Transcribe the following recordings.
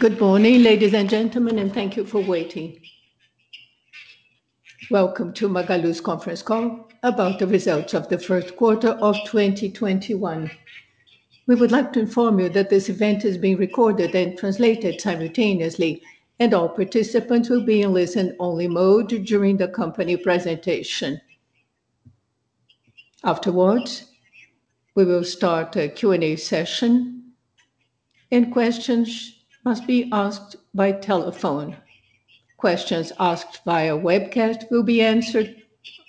Good morning, ladies and gentlemen, thank you for waiting. Welcome to Magalu's conference call about the results of the first quarter of 2021. We would like to inform you that this event is being recorded and translated simultaneously, and all participants will be in listen-only mode during the company presentation. Afterwards, we will start a Q&A session, and questions must be asked by telephone. Questions asked via webcast will be answered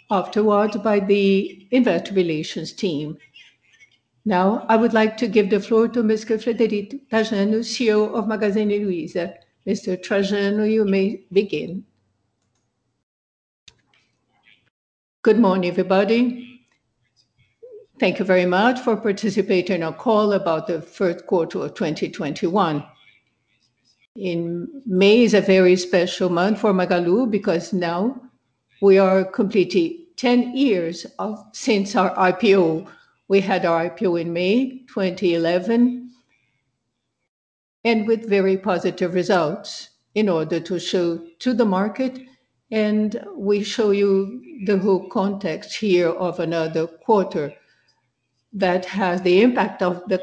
afterwards by the Investor Relations team. Now, I would like to give the floor to Mr. Frederico Trajano, CEO of Magazine Luiza. Mr. Trajano, you may begin. Good morning, everybody. Thank you very much for participating in our call about the first quarter of 2021. May is a very special month for Magalu because now we are completing 10 years since our IPO. We had our IPO in May 2011, with very positive results in order to show to the market, we show you the whole context here of another quarter that has the impact of the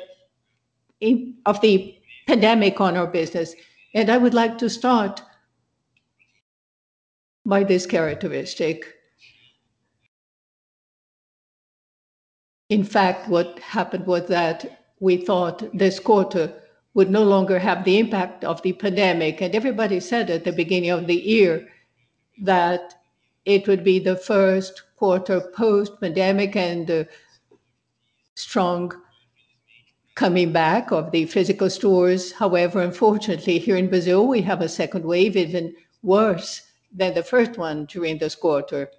pandemic on our business. I would like to start by this characteristic. In fact, what happened was that we thought this quarter would no longer have the impact of the pandemic. Everybody said at the beginning of the year that it would be the first quarter post-pandemic and a strong coming back of the physical stores. However, unfortunately, here in Brazil, we have a second wave even worse than the first one during this quarter.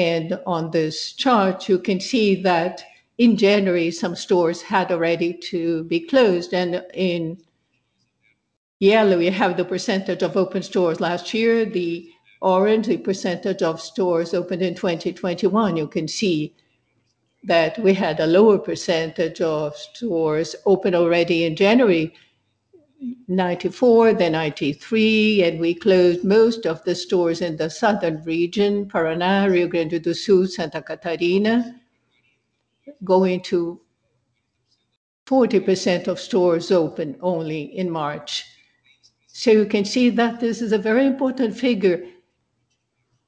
On this chart, you can see that in January, some stores had already to be closed. In yellow, we have the percentage of open stores last year, the orange, the percentage of stores open in 2021. You can see that we had a lower percentage of stores open already in January 94%, then 93%. We closed most of the stores in the southern region, Paraná, Rio Grande do Sul, Santa Catarina, going to 40% of stores open only in March. You can see that this is a very important figure,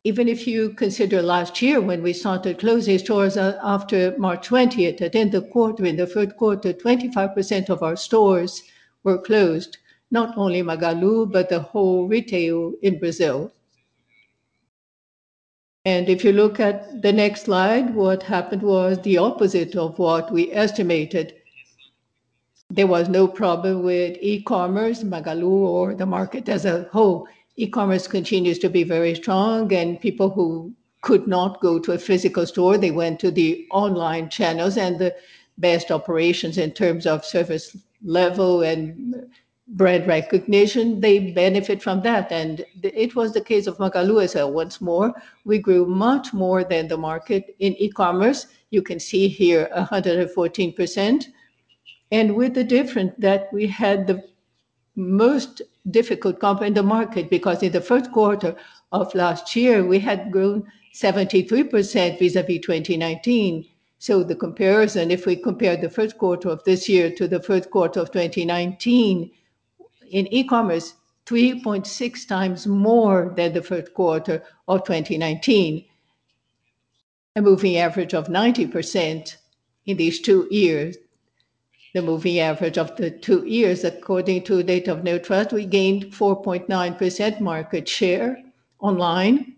even if you consider last year when we started closing stores after March 20th. At the end of the quarter, in the third quarter, 25% of our stores were closed, not only Magalu, but the whole retail in Brazil. If you look at the next slide, what happened was the opposite of what we estimated. There was no problem with e-commerce, Magalu, or the market as a whole. E-commerce continues to be very strong, and people who could not go to a physical store, they went to the online channels and the best operations in terms of service level and brand recognition, they benefit from that. It was the case of Magalu once more. We grew much more than the market in e-commerce. You can see here, 114%. With the difference that we had the most difficult comp in the market because in the first quarter of last year, we had grown 73% vis-à-vis 2019. The comparison, if we compare the first quarter of this year to the first quarter of 2019, in e-commerce, 3.6 times more than the first quarter of 2019. A moving average of 90% in these two years. The moving average of the two years according to data of NeoTrust, we gained 4.9% market share online.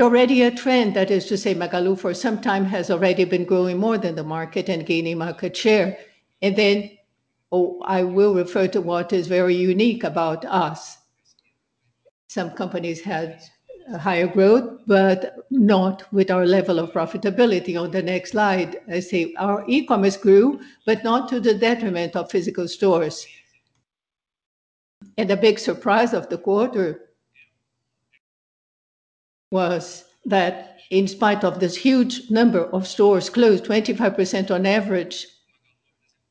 Already a trend, that is to say, Magalu for some time has already been growing more than the market and gaining market share. Then I will refer to what is very unique about us. Some companies had higher growth, but not with our level of profitability. On the next slide, I say our e-commerce grew, but not to the detriment of physical stores. The big surprise of the quarter was that in spite of this huge number of stores closed, 25% on average,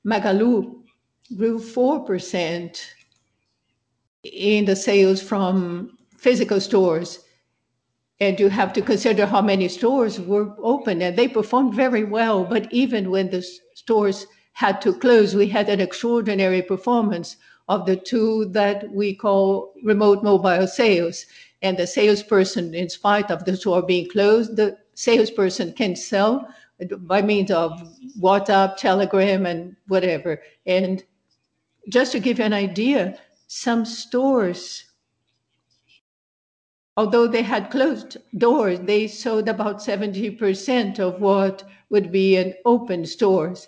Magalu grew 4% in the sales from physical stores. You have to consider how many stores were open, and they performed very well. Even when the stores had to close, we had an extraordinary performance of the two that we call remote mobile sales. The salesperson, in spite of the store being closed, the salesperson can sell by means of WhatsApp, Telegram, and whatever. Just to give you an idea, some stores although they had closed doors, they sold about 70% of what would be in open stores.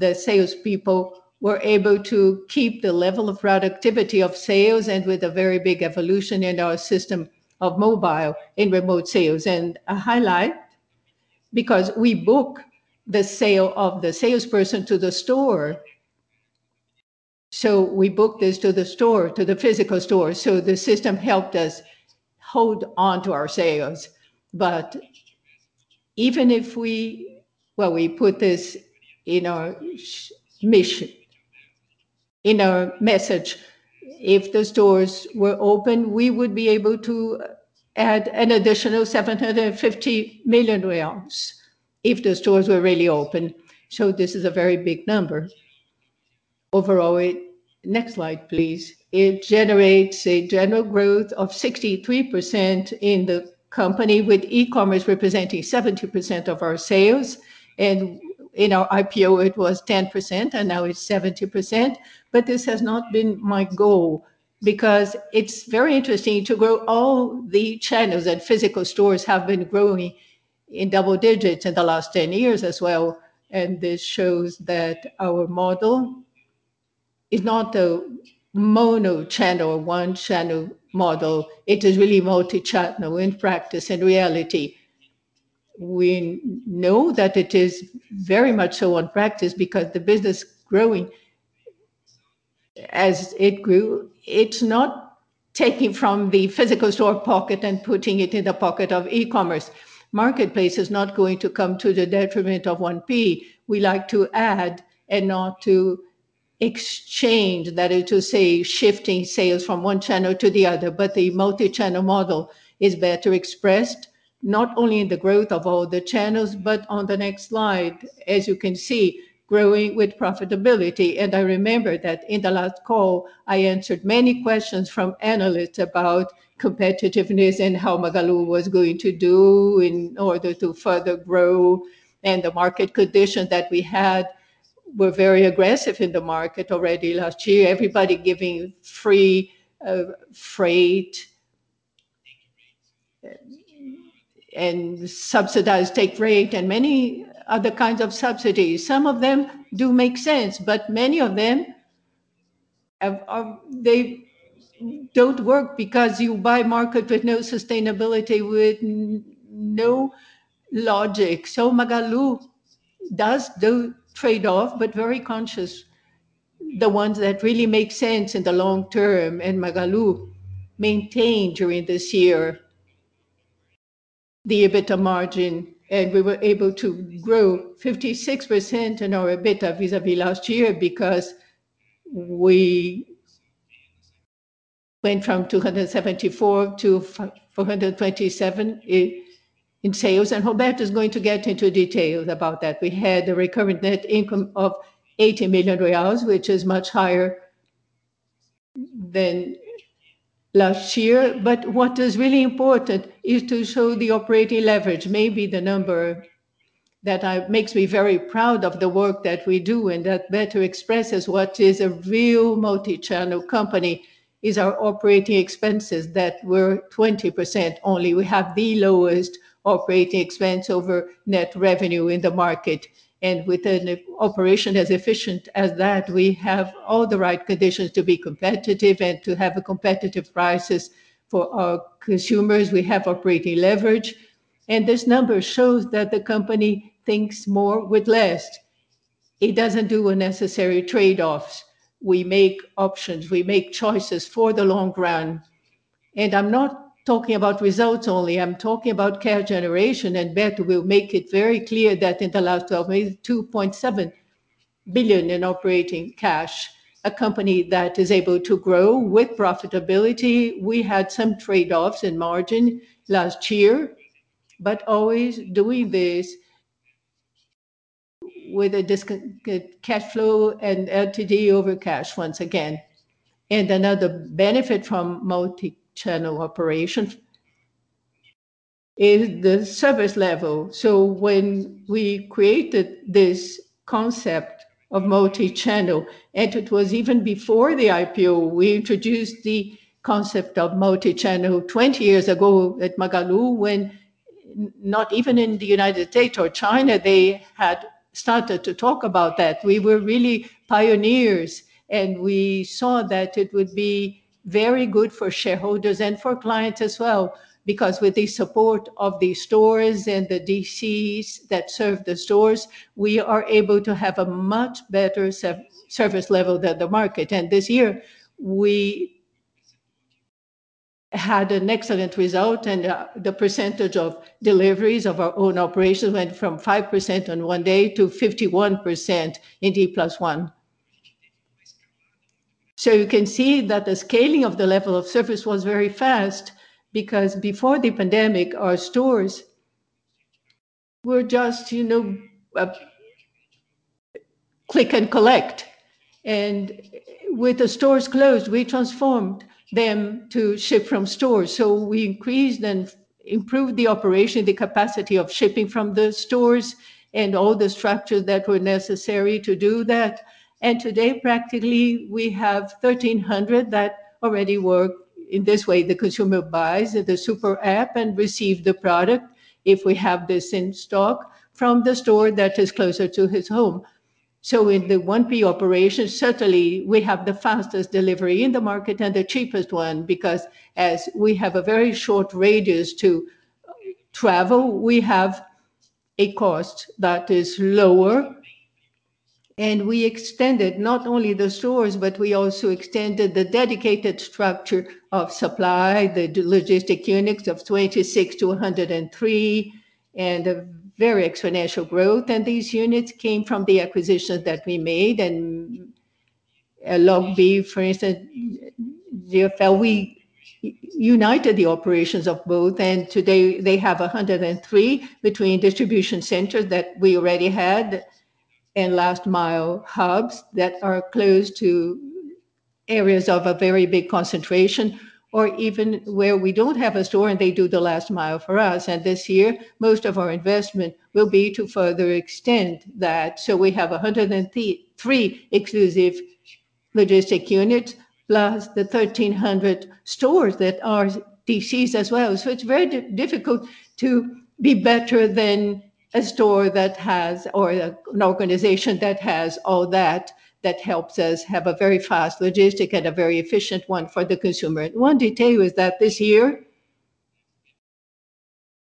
The salespeople were able to keep the level of productivity of sales and with a very big evolution in our system of mobile and remote sales. A highlight because we book the sale of the salesperson to the store. So we booked this to the store, to the physical store. The system helped us hold onto our sales. Even if we, well, we put this in our mission, in our message. If the stores were open, we would be able to add an additional 750 million if the stores were really open. This is a very big number. Overall, next slide, please. It generates a general growth of 63% in the company, with e-commerce representing 70% of our sales. In our IPO, it was 10%, and now it's 70%. This has not been my goal, because it's very interesting to grow all the channels. Physical stores have been growing in double digits in the last 10 years as well. This shows that our model is not a mono channel, one channel model. It is really multi-channel in practice. In reality, we know that it is very much so in practice because the business growing, as it grew, it's not taking from the physical store pocket and putting it in the pocket of e-commerce. Marketplace is not going to come to the detriment of 1P. We like to add and not to exchange, that is to say, shifting sales from one channel to the other. A multi-channel model is better expressed not only in the growth of all the channels, on the next slide, as you can see, growing with profitability. I remember that in the last call, I answered many questions from analysts about competitiveness and how Magalu was going to do in order to further grow. The market condition that we had were very aggressive in the market already last year. Everybody giving free freight and subsidized take rate and many other kinds of subsidies. Some of them do make sense, but many of them don't work because you buy market with no sustainability, with no logic. Magalu does do trade-off, but very conscious, the ones that really make sense in the long term. Magalu maintained during this year the EBITDA margin, and we were able to grow 56% in our EBITDA vis-à-vis last year because we went from 274 million to 427 million in sales. Roberto is going to get into details about that. We had a recurrent net income of 80 million reais, which is much higher than last year. What is really important is to show the operating leverage. Maybe the number that makes me very proud of the work that we do and that better expresses what is a real multi-channel company is our operating expenses that were 20% only. We have the lowest operating expense over net revenue in the market, and with an operation as efficient as that, we have all the right conditions to be competitive and to have competitive prices for our consumers. We have operating leverage, and this number shows that the company thinks more with less. It doesn't do unnecessary trade-offs. We make options. We make choices for the long run. I'm not talking about results only. I'm talking about cash generation. That will make it very clear that in the last 12 months, 2.7 billion in operating cash, a company that is able to grow with profitability. We had some trade-offs in margin last year, but always doing this with a discount cash flow and LTV over CAC once again. Another benefit from multi-channel operations is the service level. When we created this concept of multi-channel, and it was even before the IPO, we introduced the concept of multi-channel 20 years ago at Magalu, when not even in the United States or China, they had started to talk about that. We were really pioneers. We saw that it would be very good for shareholders and for clients as well. With the support of the stores and the DCs that serve the stores, we are able to have a much better service level than the market. This year we had an excellent result. The percentage of deliveries of our own operations went from 5% on one day to 51% in D+1. You can see that the scaling of the level of service was very fast because before the pandemic, our stores were just click and collect. With the stores closed, we transformed them to ship from stores. We increased and improved the operation, the capacity of shipping from the stores and all the structures that were necessary to do that. Today, practically, we have 1,300 that already work in this way. The consumer buys at the SuperApp and receive the product if we have this in stock from the store that is closer to his home. In the 1P operation, certainly we have the fastest delivery in the market and the cheapest one because as we have a very short radius to travel, we have a cost that is lower. We extended not only the stores, but we also extended the dedicated structure of supply, the logistics units of 26 to 103, and a very exponential growth. These units came from the acquisitions that we made. LogBee, for instance, we united the operations of both, and today they have 103 between distribution centers that we already had and last mile hubs that are close to areas of a very big concentration, or even where we don't have a store and they do the last mile for us. This year, most of our investment will be to further extend that. We have 103 exclusive logistic units, plus the 1,300 stores that are DCs as well. It's very difficult to be better than a store that has, or an organization that has all that helps us have a very fast logistic and a very efficient one for the consumer. One detail is that this year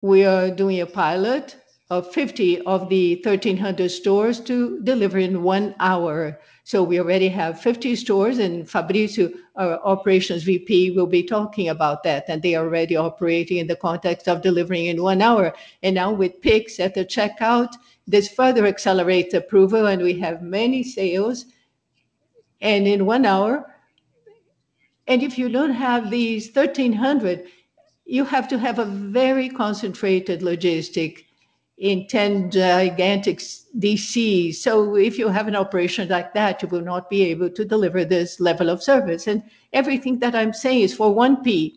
we are doing a pilot of 50 of the 1,300 stores to deliver in one hour. We already have 50 stores, and Fabricio, our Operations VP, will be talking about that. They're already operating in the context of delivering in one hour. Now with Pix at the checkout, this further accelerates approval, and we have many sales. In one hour, if you don't have these 1,300, you have to have a very concentrated logistics in 10 gigantic DCs. If you have an operation like that, you will not be able to deliver this level of service. Everything that I'm saying is for 1P.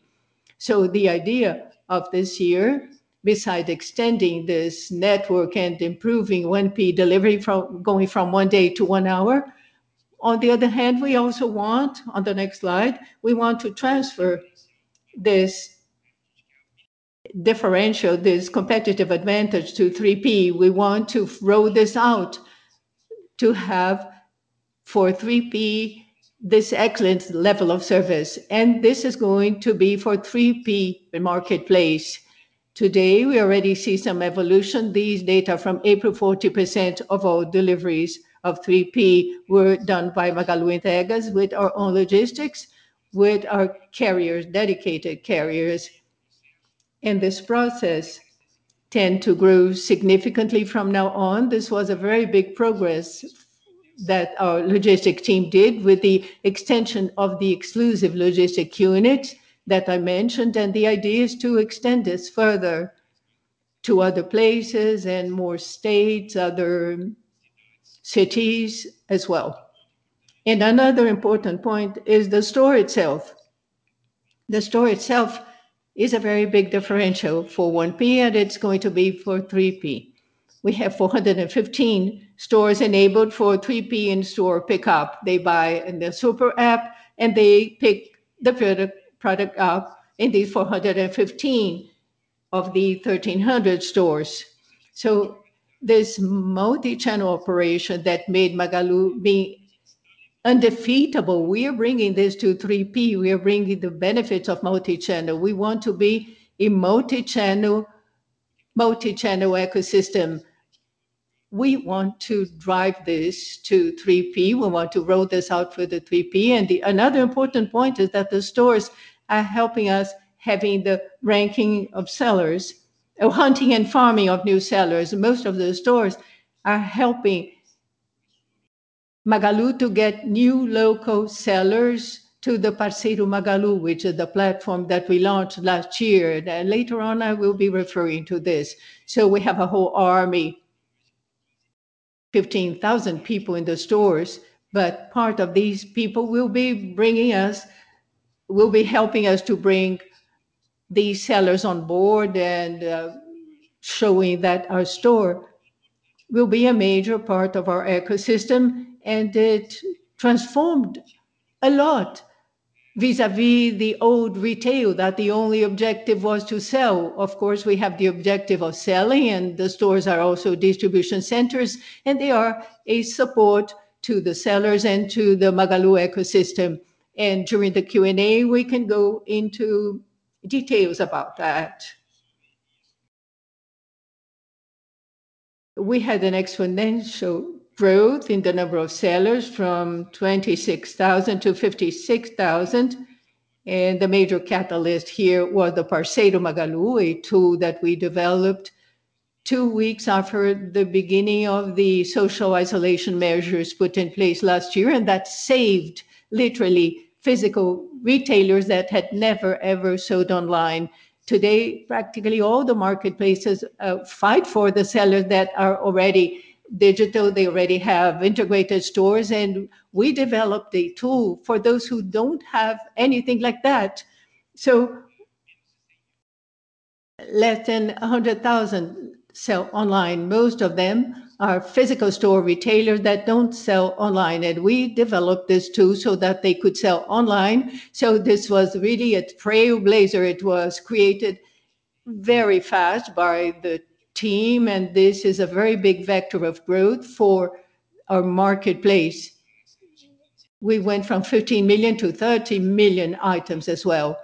The idea of this year, besides extending this network and improving 1P delivery from going from one day to one hour, on the other hand, we also want, on the next slide, we want to transfer this differential, this competitive advantage to 3P. We want to roll this out to have for 3P this excellent level of service. This is going to be for 3P marketplace. Today, we already see some evolution. These data from April, 40% of all deliveries of 3P were done by Magalu Entregas with our own logistics, with our carriers, dedicated carriers. This process tends to grow significantly from now on. This was a very big progress that our logistics team did with the extension of the exclusive logistics units that I mentioned. The idea is to extend this further to other places and more states, other cities as well. Another important point is the store itself. The store itself is a very big differential for 1P, and it's going to be for 3P. We have 415 stores enabled for 3P in-store pickup. They buy in the SuperApp, and they pick the product up in the 415 of the 1,300 stores. This multi-channel operation that made Magalu be undefeatable, we are bringing this to 3P. We are bringing the benefits of multi-channel. We want to be a multi-channel ecosystem. We want to drive this to 3P. We want to roll this out for the 3P. Another important point is that the stores are helping us having the ranking of sellers, hunting and farming of new sellers. Most of the stores are helping Magalu to get new local sellers to the Parceiro Magalu, which is the platform that we launched last year. Later on I will be referring to this. We have a whole army, 15,000 people in the stores, but part of these people will be helping us to bring these sellers on board and showing that our store will be a major part of our ecosystem. It transformed a lot vis-à-vis the old retail, that the only objective was to sell. Of course, we have the objective of selling, and the stores are also distribution centers, and they are a support to the sellers and to the Magalu ecosystem. During the Q&A, we can go into details about that. We had an exponential growth in the number of sellers from 26,000 to 56,000. The major catalyst here was the Parceiro Magalu, a tool that we developed two weeks after the beginning of the social isolation measures put in place last year, and that saved literally physical retailers that had never, ever sold online. Today, practically all the marketplaces fight for the sellers that are already digital. They already have integrated stores. We developed a tool for those who don't have anything like that. Less than 100,000 sell online. Most of them are physical store retailers that don't sell online. We developed this tool so that they could sell online. This was really a trailblazer. It was created very fast by the team, and this is a very big vector of growth for our marketplace. We went from 15 million to 30 million items as well.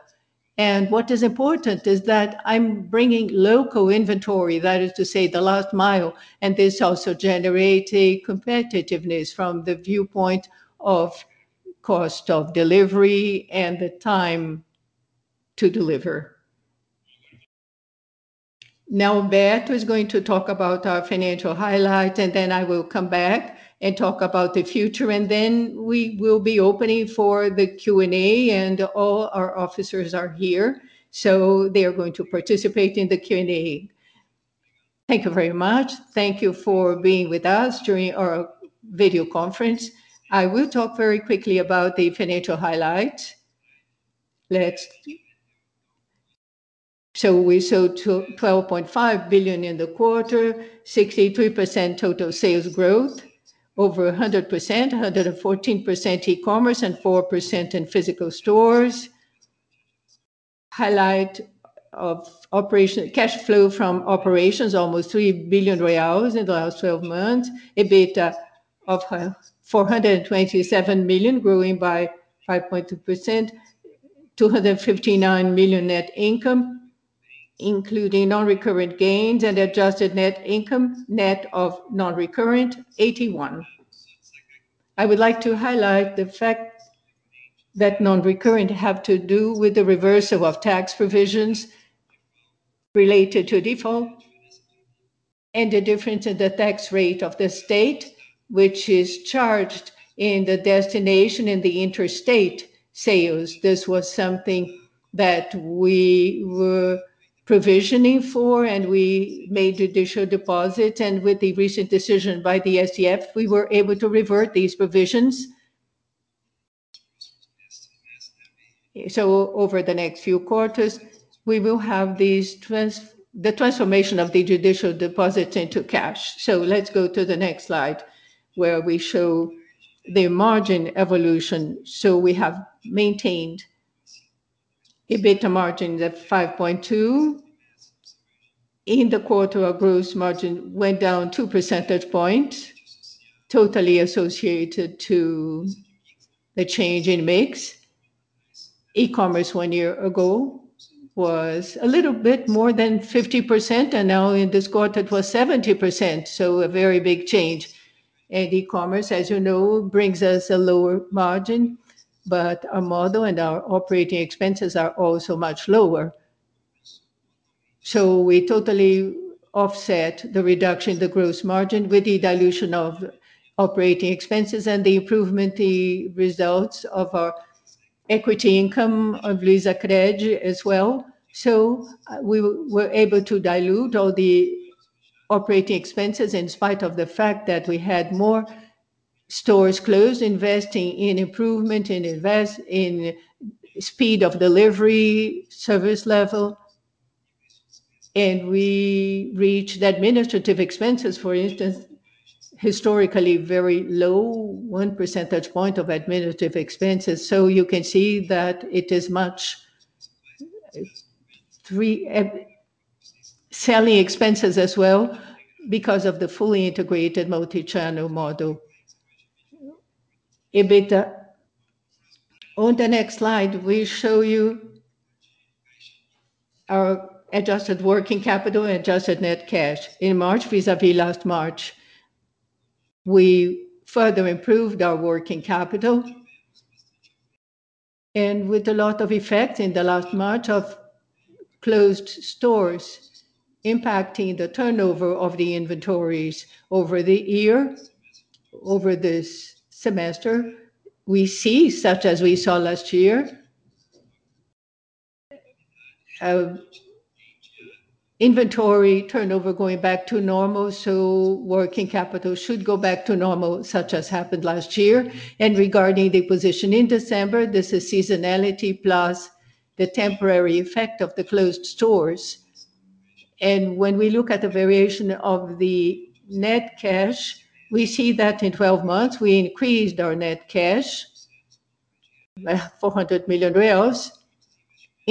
What is important is that I'm bringing local inventory, that is to say, the last mile, and this also generates a competitiveness from the viewpoint of cost of delivery and the time to deliver. Now Beto is going to talk about our financial highlights, and then I will come back and talk about the future, and then we will be opening for the Q&A, and all our officers are here, so they are going to participate in the Q&A. Thank you very much. Thank you for being with us during our video conference. I will talk very quickly about the financial highlights. Next, we sold 12.5 billion in the quarter, 63% total sales growth, over 100%, 114% e-commerce, and 4% in physical stores. Highlight of cash flow from operations, almost 3 billion in the last 12 months. EBITDA of 427 million, growing by 5.2%. 259 million net income, including non-recurrent gains and adjusted net income, net of non-recurrent, 81 million. I would like to highlight the fact that non-recurrent have to do with the reversal of tax provisions related to default and the difference in the tax rate of the state which is charged in the destination in the interstate sales. This was something that we were provisioning for, and we made judicial deposits, and with the recent decision by the STF, we were able to revert these provisions. Over the next few quarters, we will have the transformation of the judicial deposits into cash. Let's go to the next slide where we show the margin evolution. We have maintained EBITDA margin at 5.2%. In the quarter, our gross margin went down 2 percentage points, totally associated to the change in mix. E-commerce one year ago was a little bit more than 50%, and now in this quarter it was 70%, so a very big change. E-commerce, as you know, brings us a lower margin, but our model and our operating expenses are also much lower. We totally offset the reduction in the gross margin with the dilution of operating expenses and the improvement results of our equity income of Luizacred as well. We were able to dilute all the operating expenses in spite of the fact that we had more stores closed, investing in improvement, in invest in speed of delivery, service level. We reached administrative expenses, for instance, historically very low, 1 percentage point of administrative expenses. You can see that it is selling expenses as well because of the fully integrated multi-channel model. On the next slide, we show you our adjusted working capital and adjusted net cash in March vis-à-vis last March. We further improved our working capital. With a lot of effect in the last March of closed stores impacting the turnover of the inventories over the year, over this semester, we see, such as we saw last year, inventory turnover going back to normal, so working capital should go back to normal such as happened last year. Regarding the position in December, this is seasonality plus the temporary effect of the closed stores. When we look at the variation of the net cash, we see that in 12 months we increased our net cash by BRL 400 million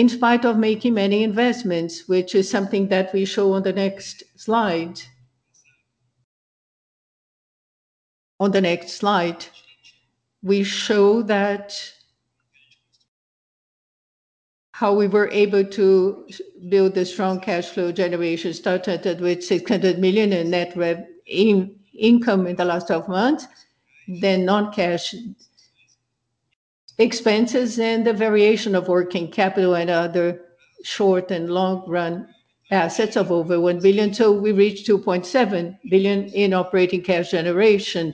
in spite of making many investments, which is something that we show on the next slide. On the next slide, we show how we were able to build a strong cash flow generation, starting with 600 million in net income in the last 12 months, then non-cash expenses and the variation of working capital and other short- and long-run assets of over 1 billion. We reached 2.7 billion in operating cash generation.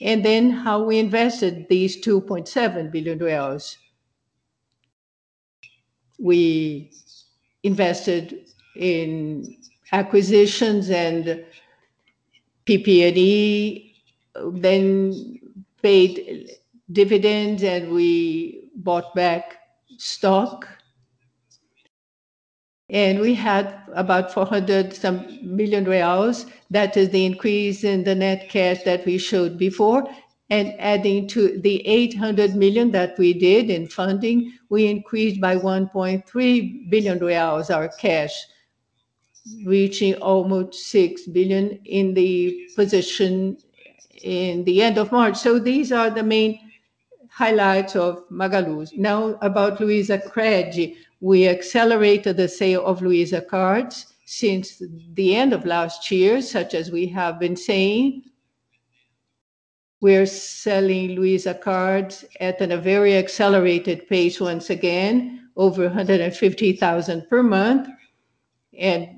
Then how we invested these BRL 2.7 billion. We invested in acquisitions and PP&E, then paid dividends, and we bought back stock. We had about 400 some million. That is the increase in the net cash that we showed before. Adding to the 800 million that we did in funding, we increased by 1.3 billion reais our cash, reaching almost 6 billion in the position in the end of March. These are the main highlights of Magalu. Now about Luizacred. We accelerated the sale of Luiza Cards since the end of last year, such as we have been saying. We are selling Luiza Cards at a very accelerated pace once again, over 150,000 per month,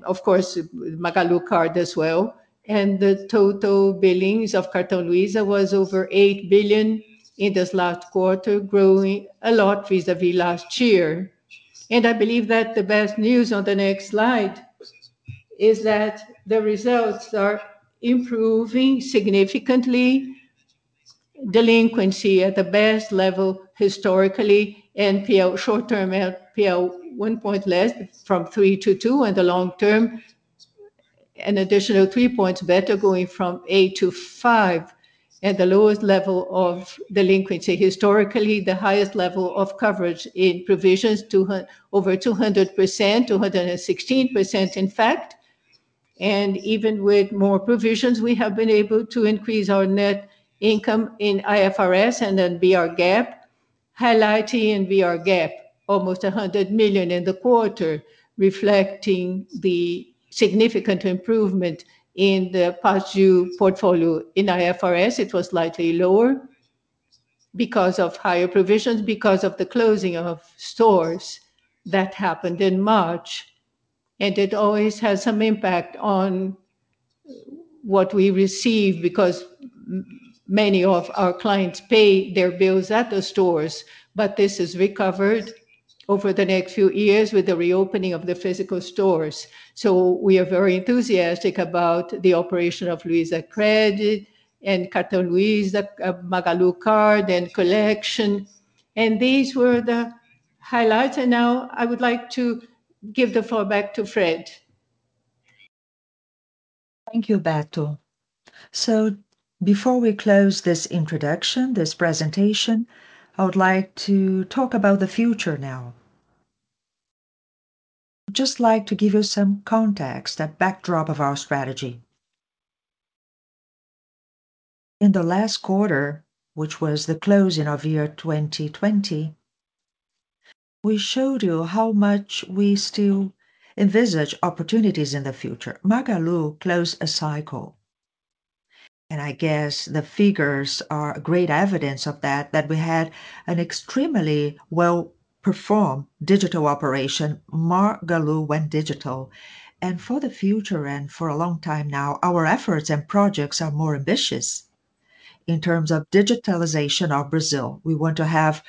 of course, Magalu Card as well. The total billings of Cartão Luiza was over 8 billion in this last quarter, growing a lot vis-à-vis last year. I believe that the best news on the next slide is that the results are improving significantly, delinquency at the best level historically, NPL short-term, NPL one point less from three to two and the long term an additional three points better going from eight to five at the lowest level of delinquency historically. The highest level of coverage in provisions to over 200%, 216% in fact. Even with more provisions, we have been able to increase our net income in IFRS and then BR GAAP highlighting BR GAAP almost 100 million in the quarter, reflecting the significant improvement in the past due portfolio. In IFRS it was slightly lower because of higher provisions because of the closing of stores that happened in March and it always has some impact on what we receive because many of our clients pay their bills at the stores. This is recovered over the next few years with the reopening of the physical stores. We are very enthusiastic about the operation of Luizacred and Cartão Luiza, Magalu Card and collection and these were the highlights. Now I would like to give the floor back to Fred. Thank you, Beto. Before we close this introduction, this presentation, I would like to talk about the future now. Just like to give you some context, a backdrop of our strategy. In the last quarter, which was the closing of year 2020, we showed you how much we still envisage opportunities in the future. Magalu closed a cycle and I guess the figures are great evidence of that we had an extremely well performed digital operation. Magalu went digital and for the future and for a long time now, our efforts and projects are more ambitious in terms of digitalization of Brazil. We want to have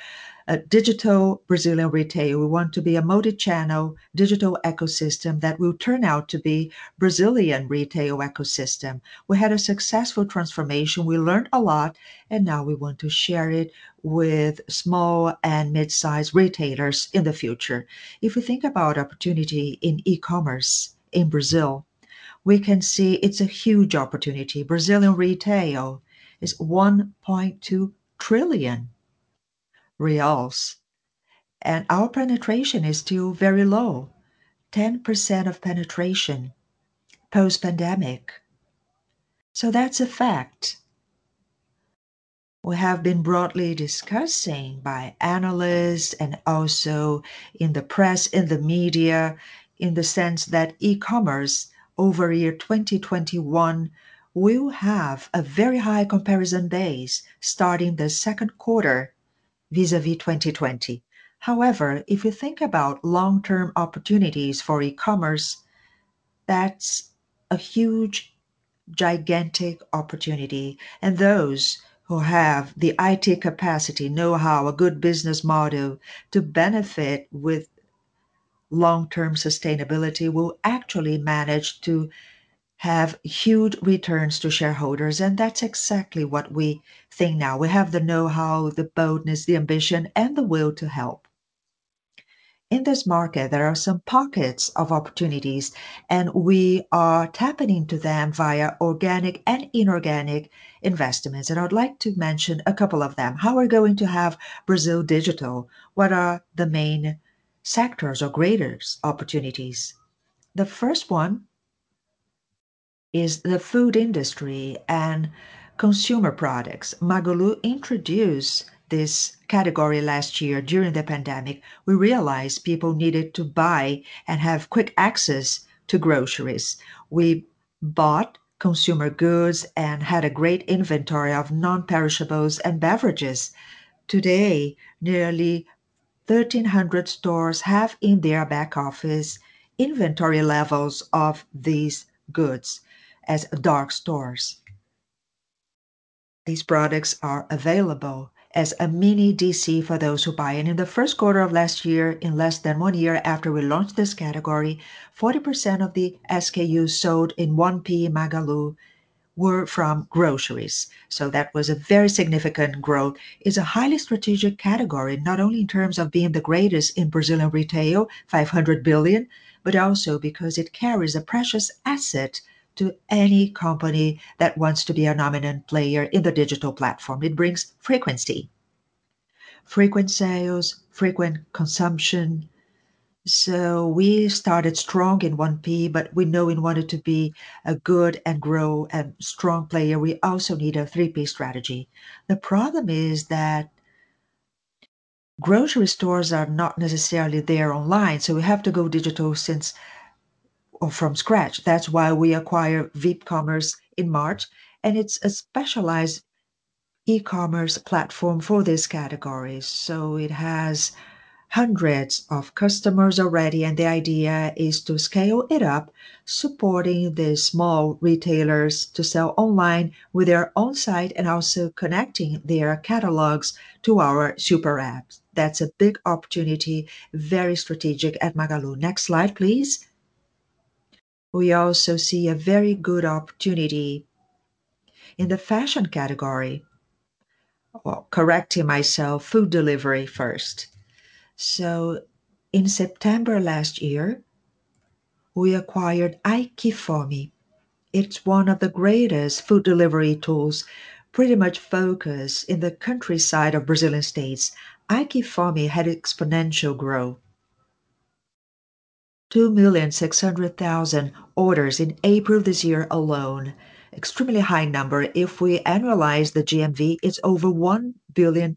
a digital Brazilian retail. We want to be a multi-channel digital ecosystem that will turn out to be Brazilian retail ecosystem. We had a successful transformation, we learned a lot and now we want to share it with small and mid-size retailers in the future. If you think about opportunity in e-commerce in Brazil, we can see it's a huge opportunity. Brazilian retail is 1.2 trillion reais and our penetration is still very low, 10% of penetration post-pandemic. That's a fact. We have been broadly discussing by analysts and also in the press, in the media, in the sense that e-commerce over 2021 will have a very high comparison base starting the second quarter vis-à-vis 2020. If you think about long-term opportunities for e-commerce, that's a huge, gigantic opportunity and those who have the IT capacity, know-how, a good business model to benefit with long-term sustainability will actually manage to have huge returns to shareholders and that's exactly what we think now. We have the know-how, the boldness, the ambition and the will to help. In this market there are some pockets of opportunities and we are tapping to them via organic and inorganic investments. I would like to mention a couple of them. How are we going to have Brazil digital? What are the main sectors or greater opportunities? The first one is the food industry and consumer products. Magalu introduced this category last year during the pandemic. We realized people needed to buy and have quick access to groceries. We bought consumer goods and had a great inventory of non-perishables and beverages. Today, nearly 1,300 stores have in their back office inventory levels of these goods as dark stores. These products are available as a mini DC for those who buy in. In the first quarter of last year, in less than one year after we launched this category, 40% of the SKUs sold in 1P Magalu were from groceries. That was a very significant growth. It's a highly strategic category, not only in terms of being the greatest in Brazilian retail, 500 billion, but also because it carries a precious asset to any company that wants to be a dominant player in the digital platform. It brings frequency, frequent sales, frequent consumption. We started strong in 1P, but we know in order to be a good and grow and strong player, we also need a 3P strategy. The problem is that grocery stores are not necessarily there online, we have to go digital from scratch. That's why we acquired VipCommerce in March, it's a specialized e-commerce platform for this category. It has hundreds of customers already, and the idea is to scale it up, supporting the small retailers to sell online with their own site and also connecting their catalogs to our SuperApp. That's a big opportunity, very strategic at Magalu. Next slide, please. We also see a very good opportunity in the fashion category. Well, correcting myself, food delivery first. In September last year, we acquired AiQFome. It's one of the greatest food delivery tools, pretty much focused in the countryside of Brazilian states. AiQFome had exponential growth, 2,600,000 orders in April this year alone. Extremely high number. If we analyze the GMV, it's over 1.2 billion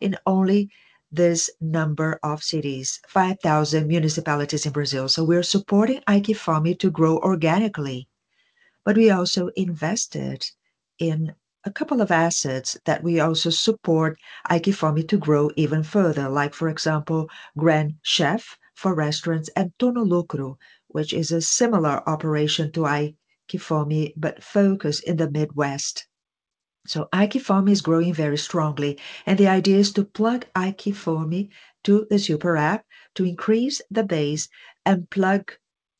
in only this number of cities, 5,000 municipalities in Brazil. We are supporting AiQFome to grow organically. We also invested in a couple of assets that we also support AiQFome to grow even further. For example, GrandChef for restaurants and Tonolucro, which is a similar operation to AiQFome, but focused in the Midwest. AiQFome is growing very strongly, and the idea is to plug AiQFome to the SuperApp to increase the base and plug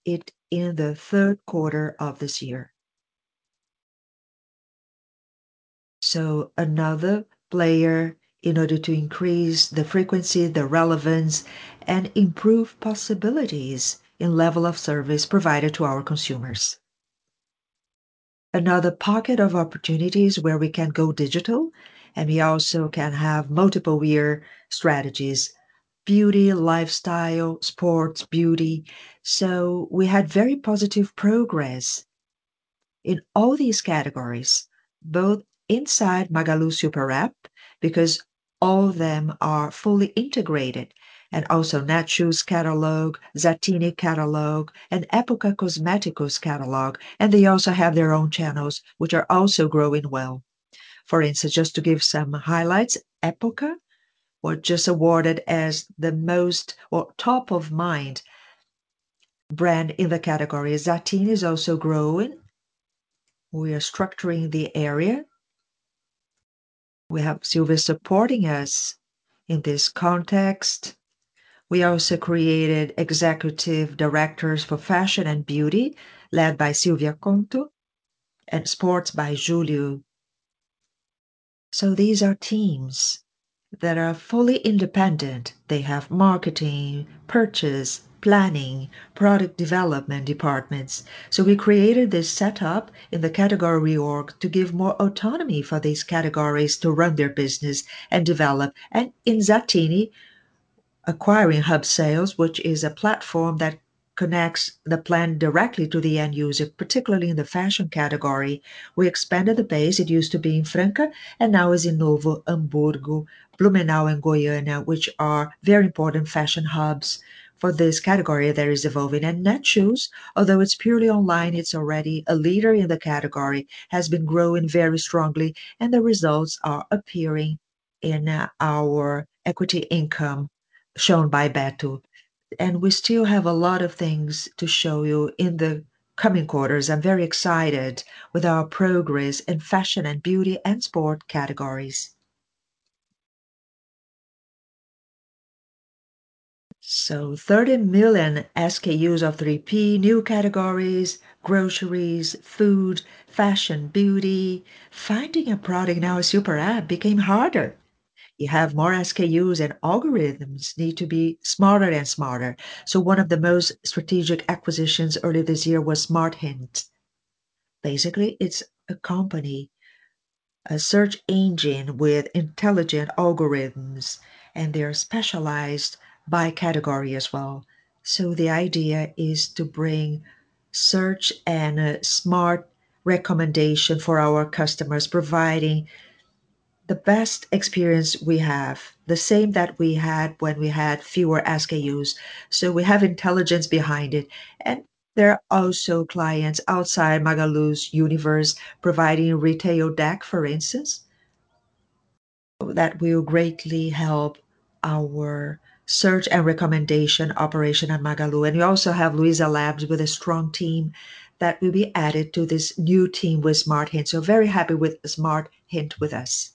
it in the third quarter of this year. Another player in order to increase the frequency, the relevance, and improve possibilities in level of service provided to our consumers. Another pocket of opportunities where we can go digital, and we also can have multiple-year strategies, beauty, lifestyle, sports, beauty. We had very positive progress in all these categories, both inside Magalu SuperApp, because all of them are fully integrated, and also Netshoes catalog, Zattini catalog, and Época Cosméticos catalog, and they also have their own channels, which are also growing well. For instance, just to give some highlights, Época was just awarded as the most top-of-mind brand in the category. Zattini is also growing. We are structuring the area. We have Silvia supporting us in this context. We also created Executive Directors for Fashion and Beauty, led by Silvia [Contu], and Sports by Julio. These are teams that are fully independent. They have Marketing, Purchase, Planning, Product Development departments. We created this setup in the category org to give more autonomy for these categories to run their business and develop. In Zattini, acquiring Hubsales, which is a platform that connects the brand directly to the end user, particularly in the fashion category. We expanded the base. It used to be in Franca, and now is in Novo Hamburgo, Blumenau, and Goiânia, which are very important fashion hubs for this category that is evolving. Netshoes, although it's purely online, it's already a leader in the category, has been growing very strongly, and the results are appearing in our equity income shown by Beto. We still have a lot of things to show you in the coming quarters. I'm very excited with our progress in fashion and beauty and sport categories. 30 million SKUs of 3P, new categories, groceries, food, fashion, beauty. Finding a product in our SuperApp became harder. You have more SKUs, and algorithms need to be smarter and smarter. One of the most strategic acquisitions earlier this year was SmartHint. Basically, it's a company, a search engine with intelligent algorithms, and they're specialized by category as well. The idea is to bring search and a smart recommendation for our customers, providing the best experience we have. The same that we had when we had fewer SKUs. We have intelligence behind it, and they're also clients outside Magalu's universe, providing a retail deck, for instance, that will greatly help our search and recommendation operation at Magalu. We also have Luiza Labs with a strong team that will be added to this new team with SmartHint. Very happy with SmartHint with us.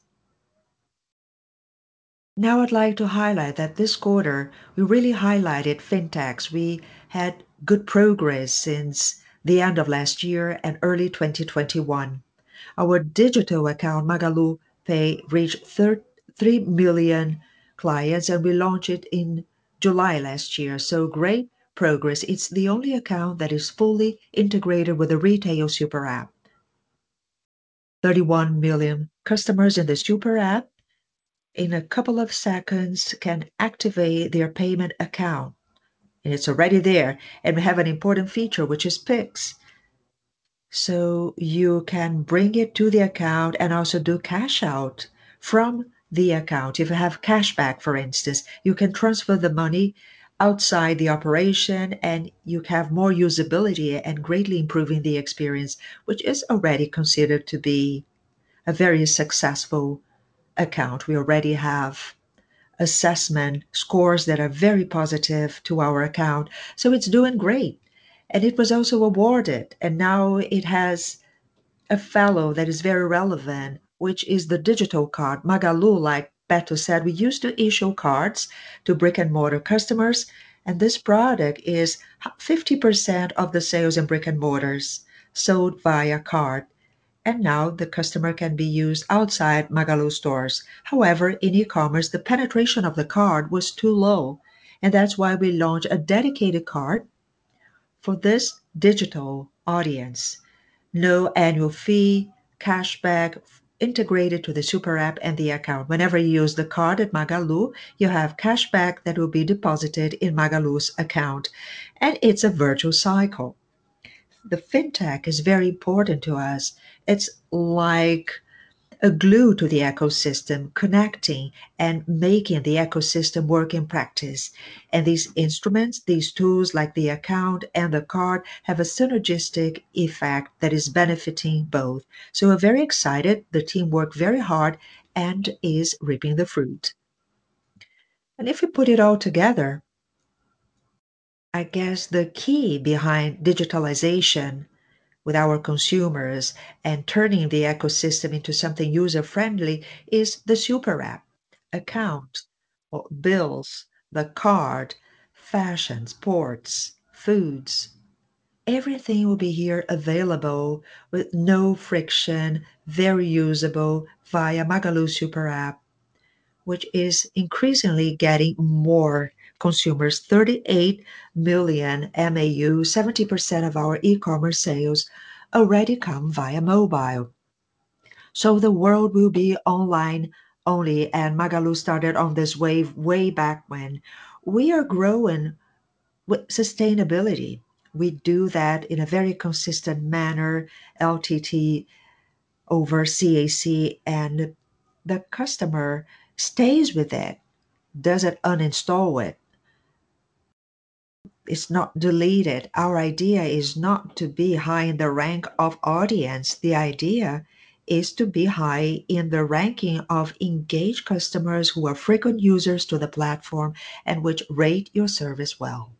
Now I'd like to highlight that this quarter, we really highlighted fintechs. We had good progress since the end of last year and early 2021. Our digital account, MagaluPay, reached 3 million clients, and we launched it in July last year. Great progress. It's the only account that is fully integrated with the retail SuperApp. 31 million customers in the SuperApp in a couple of seconds can activate their payment account, and it's already there and have an important feature, which is Pix. You can bring it to the account and also do cash out from the account. If you have cashback, for instance, you can transfer the money outside the operation, and you have more usability and greatly improving the experience, which is already considered to be a very successful account. We already have assessment scores that are very positive to our account. It's doing great, and it was also awarded, and now it has a fellow that is very relevant, which is the Magalu Card. Magalu, like Beto said, we used to issue cards to brick-and-mortar customers, and this product is 50% of the sales in brick-and-mortars sold via card, and now the customer can be used outside Magalu stores. However, in e-commerce, the penetration of the card was too low, and that's why we launched a dedicated card for this digital audience. No annual fee, cashback integrated to the SuperApp and the account. Whenever you use the card at Magalu, you have cashback that will be deposited in Magalu's account, and it's a virtual cycle. The fintech is very important to us. It's like a glue to the ecosystem, connecting and making the ecosystem work in practice. These instruments, these tools, like the account and the card, have a synergistic effect that is benefiting both. We're very excited. The team worked very hard and is reaping the fruit. If we put it all together, I guess the key behind digitalization with our consumers and turning the ecosystem into something user-friendly is the SuperApp. Account, bills, the card, fashion, sports, foods, everything will be here available with no friction, very usable via Magalu SuperApp, which is increasingly getting more consumers, 38 million MAU, 70% of our e-commerce sales already come via mobile. The world will be online only, and Magalu started on this wave way back when. We are growing with sustainability. We do that in a very consistent manner, LTT over CAC, and the customer stays with it, doesn't uninstall it. It's not deleted. Our idea is not to be high in the rank of audience. The idea is to be high in the ranking of engaged customers who are frequent users to the platform and which rate your service well.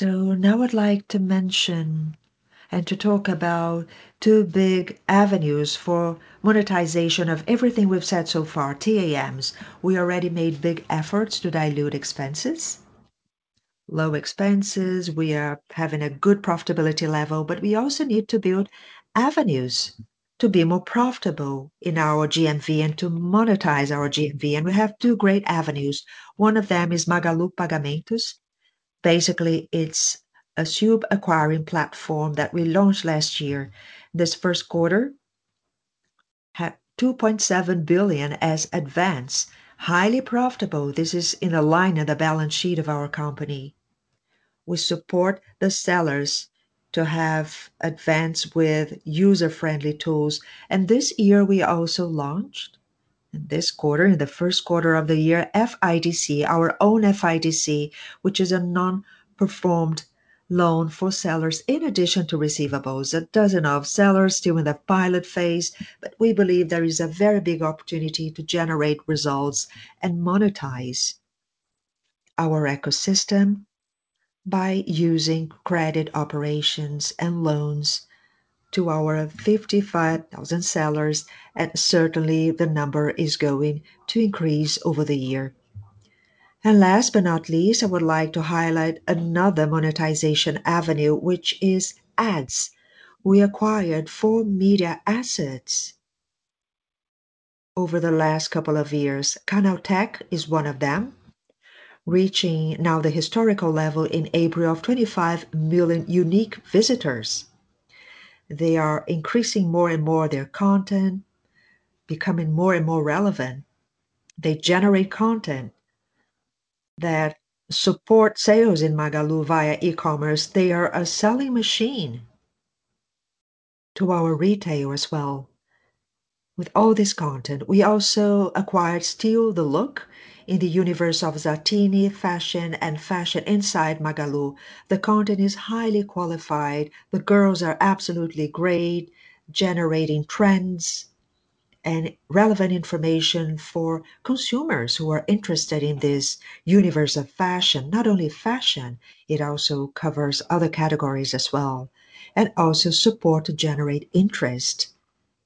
Now I'd like to mention and to talk about two big avenues for monetization of everything we've said so far, TAMs. We already made big efforts to dilute expenses, low expenses. We are having a good profitability level, but we also need to build avenues to be more profitable in our GMV and to monetize our GMV, and we have two great avenues. One of them is Magalu Pagamentos. Basically, it's a super acquiring platform that we launched last year. This first quarter had 2.7 billion as advance, highly profitable. This is in the line in the balance sheet of our company. We support the sellers to have advance with user-friendly tools. This year, we also launched, in this quarter, in the first quarter of the year, FIDC, our own FIDC, which is a non-performed loan for sellers in addition to receivables. It doesn't have sellers still in the pilot phase, but we believe there is a very big opportunity to generate results and monetize our ecosystem by using credit operations and loans to our 55,000 sellers, and certainly, the number is going to increase over the year. Last but not least, I would like to highlight another monetization avenue, which is ads. We acquired four media assets over the last couple of years. Canaltech is one of them, reaching now the historical level in April of 25 million unique visitors. They are increasing more and more their content, becoming more and more relevant. They generate content that support sales in Magalu via e-commerce. They are a selling machine to our retail as well with all this content. We also acquired Steal The Look in the universe of Zattini fashion and fashion inside Magalu. The content is highly qualified. The girls are absolutely great, generating trends and relevant information for consumers who are interested in this universe of fashion. Not only fashion, it also covers other categories as well, and also support to generate interest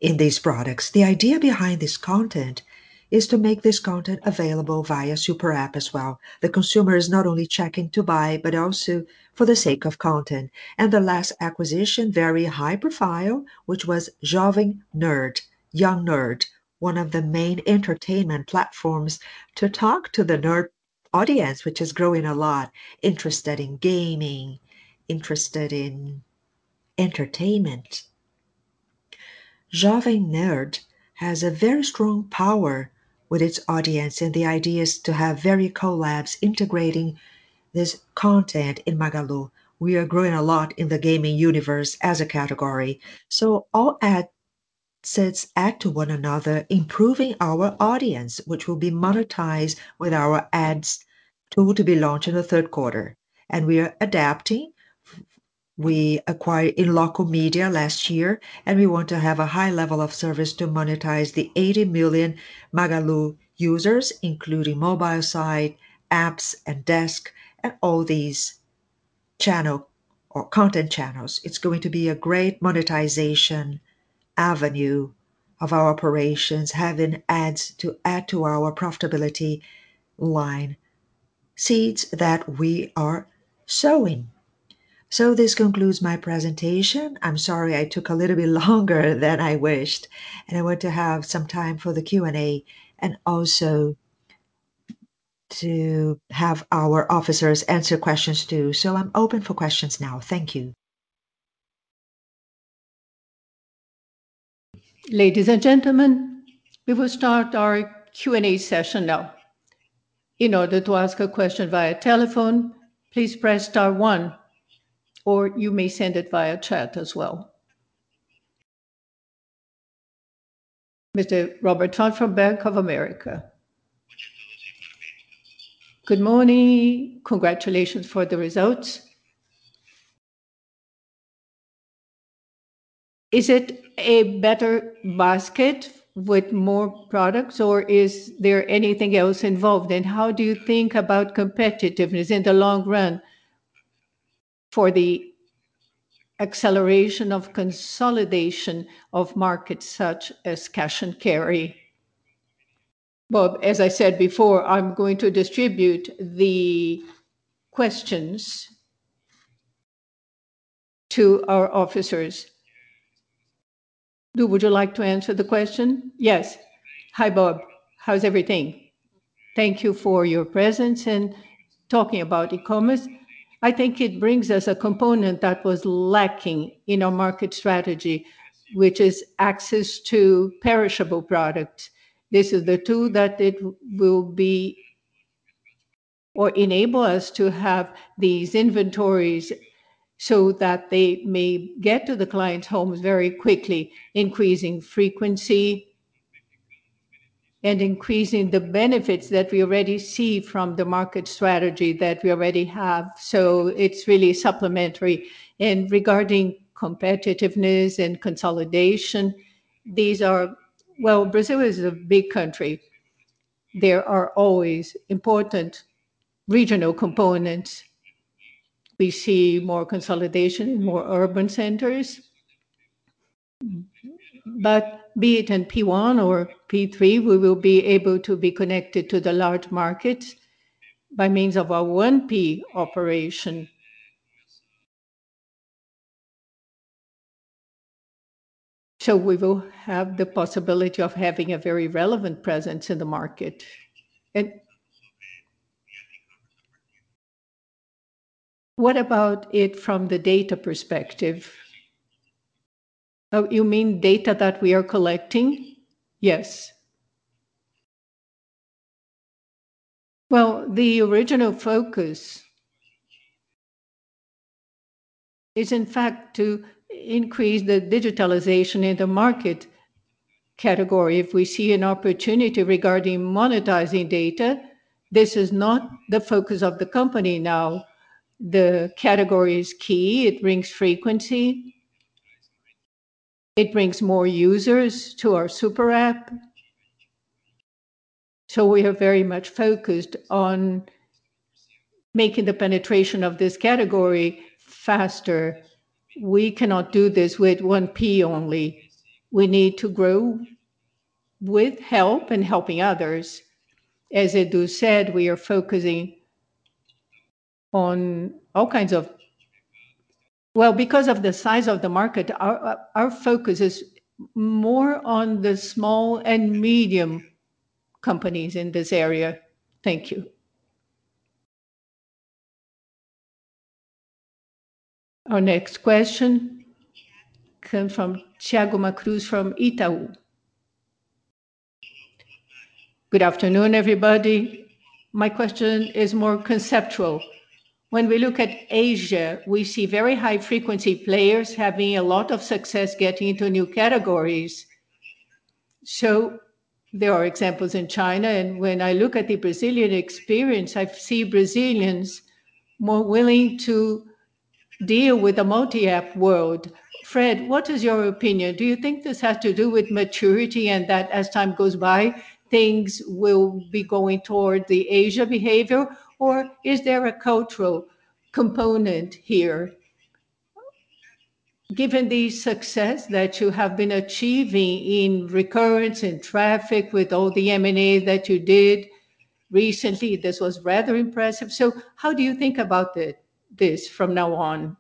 in these products. The idea behind this content is to make this content available via SuperApp as well. The consumer is not only checking to buy, but also for the sake of content. The last acquisition, very high-profile, which was Jovem Nerd, Young Nerd, one of the main entertainment platforms to talk to the nerd audience which is growing a lot, interested in gaming, interested in entertainment. Jovem Nerd has a very strong power with its audience, and the idea is to have very cool apps integrating this content in Magalu. We are growing a lot in the gaming universe as a category. All assets add to one another, improving our audience, which will be monetized with our ads tool to be launched in the third quarter. We are adapting. We acquired In Loco Media last year, we want to have a high level of service to monetize the 80 million Magalu users, including mobile site, apps, and desk, and all these channel or content channels. It's going to be a great monetization avenue of our operations, having ads to add to our profitability line seeds that we are sowing. This concludes my presentation. I'm sorry I took a little bit longer than I wished, and I want to have some time for the Q&A and also to have our officers answer questions, too. I'm open for questions now. Thank you. Ladies and gentlemen, we will start our Q&A session now. In order to ask a question via telephone, please press star one or you may send it via Chat as well. Mr. Robert Ford from Bank of America. Good morning. Congratulations for the results. Is it a better basket with more products, or is there anything else involved? How do you think about competitiveness in the long run for the acceleration of consolidation of markets such as cash and carry? Bob, as I said before, I'm going to distribute the questions to our officers. Edu, would you like to answer the question? Yes. Hi, Bob. How's everything? Thank you for your presence and talking about e-commerce. I think it brings us a component that was lacking in our market strategy, which is access to perishable products. This is the tool that it will be or enable us to have these inventories so that they may get to the client's homes very quickly, increasing frequency and increasing the benefits that we already see from the market strategy that we already have. It's really supplementary. Regarding competitiveness and consolidation, well, Brazil is a big country. There are always important regional components. We see more consolidation in more urban centers, but be it in 1P or 3P, we will be able to be connected to the large markets by means of our 1P operation. We will have the possibility of having a very relevant presence in the market. What about it from the data perspective? You mean data that we are collecting? Yes. Well, the original focus is in fact to increase the digitalization in the market category. If we see an opportunity regarding monetizing data, this is not the focus of the company now. The category is key. It brings frequency. It brings more users to our SuperApp. We are very much focused on making the penetration of this category faster. We cannot do this with 1P only. We need to grow with help and helping others. As Edu said, we are focusing on well, because of the size of the market, our focus is more on the small and medium companies in this area. Thank you. Our next question comes from Thiago Macruz from Itaú. Good afternoon, everybody. My question is more conceptual. When we look at Asia, we see very high frequency players having a lot of success getting into new categories. There are examples in China, and when I look at the Brazilian experience, I see Brazilians more willing to deal with a multi-app world. Fred, what is your opinion? Do you think this has to do with maturity and that as time goes by, things will be going toward the Asia behavior, or is there a cultural component here? Given the success that you have been achieving in recurrence, in traffic with all the M&As that you did recently, this was rather impressive. How do you think about this from now on?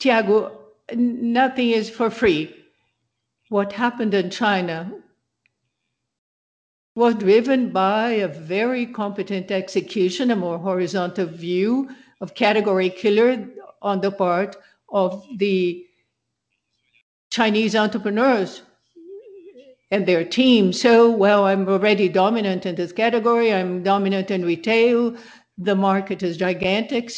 Thiago, nothing is for free. What happened in China was driven by a very competent execution, a more horizontal view of category killer on the part of the Chinese entrepreneurs and their team. Well, I'm already dominant in this category. I'm dominant in retail. The market is gigantic,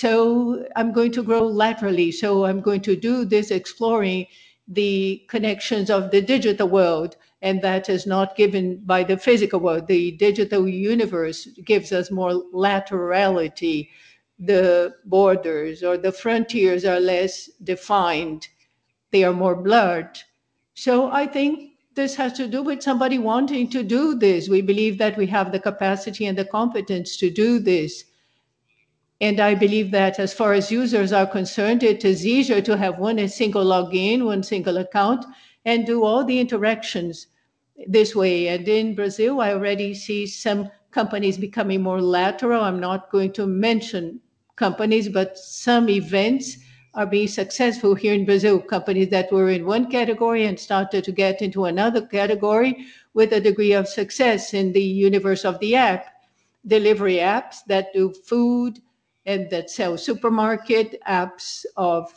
I'm going to grow laterally. I'm going to do this, exploring the connections of the digital world, and that is not given by the physical world. The digital universe gives us more laterality. The borders or the frontiers are less defined. They are more blurred. I think this has to do with somebody wanting to do this. We believe that we have the capacity and the competence to do this. I believe that as far as users are concerned, it is easier to have one single login, one single account, and do all the interactions this way. In Brazil, I already see some companies becoming more lateral. I'm not going to mention companies, but some events are being successful here in Brazil. Companies that were in one category and started to get into another category with a degree of success in the universe of the app. Delivery apps that do food and that sell supermarket, apps of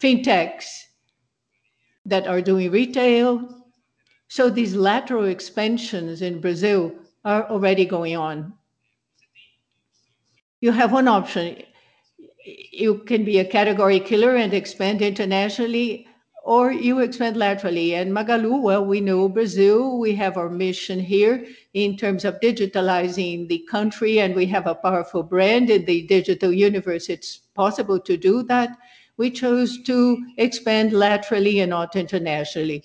fintechs that are doing retail. These lateral expansions in Brazil are already going on. You have one option. You can be a category killer and expand internationally, or you expand laterally. Magalu, well, we know Brazil. We have our mission here in terms of digitalizing the country, and we have a powerful brand in the digital universe. It's possible to do that. We chose to expand laterally and not internationally.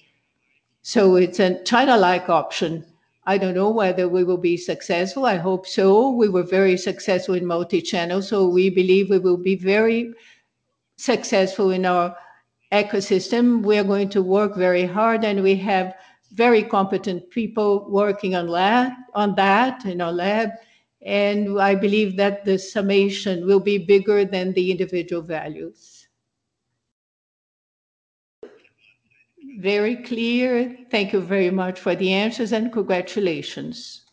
It's a China-like option. I don't know whether we will be successful. I hope so. We were very successful in multi-channel, we believe we will be very successful in our ecosystem. We are going to work very hard, we have very competent people working on that in our lab, I believe that the summation will be bigger than the individual values. Very clear. Thank you very much for the answers and congratulations.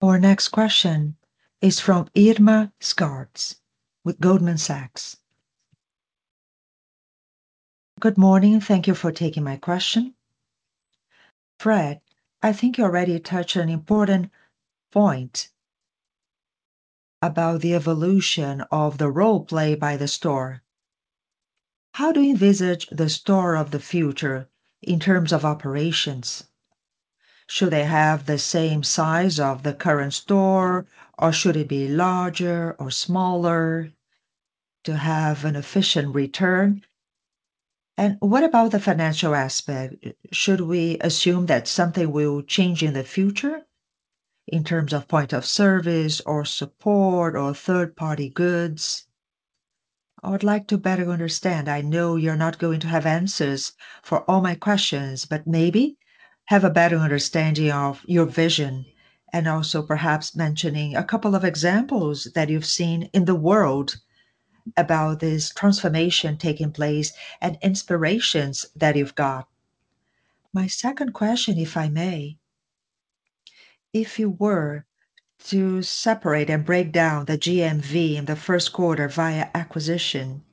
Our next question is from Irma Sgarz with Goldman Sachs. Good morning. Thank you for taking my question. Fred, I think you already touched on an important point about the evolution of the role played by the store. How do you envisage the store of the future in terms of operations? Should they have the same size of the current store, or should it be larger or smaller to have an efficient return? What about the financial aspect? Should we assume that something will change in the future in terms of point of service or support or third-party goods? I would like to better understand. I know you're not going to have answers for all my questions, but maybe have a better understanding of your vision and also perhaps mentioning a couple of examples that you've seen in the world about this transformation taking place and inspirations that you've got. My second question, if I may. If you were to separate and break down the GMV in the first quarter via acquisition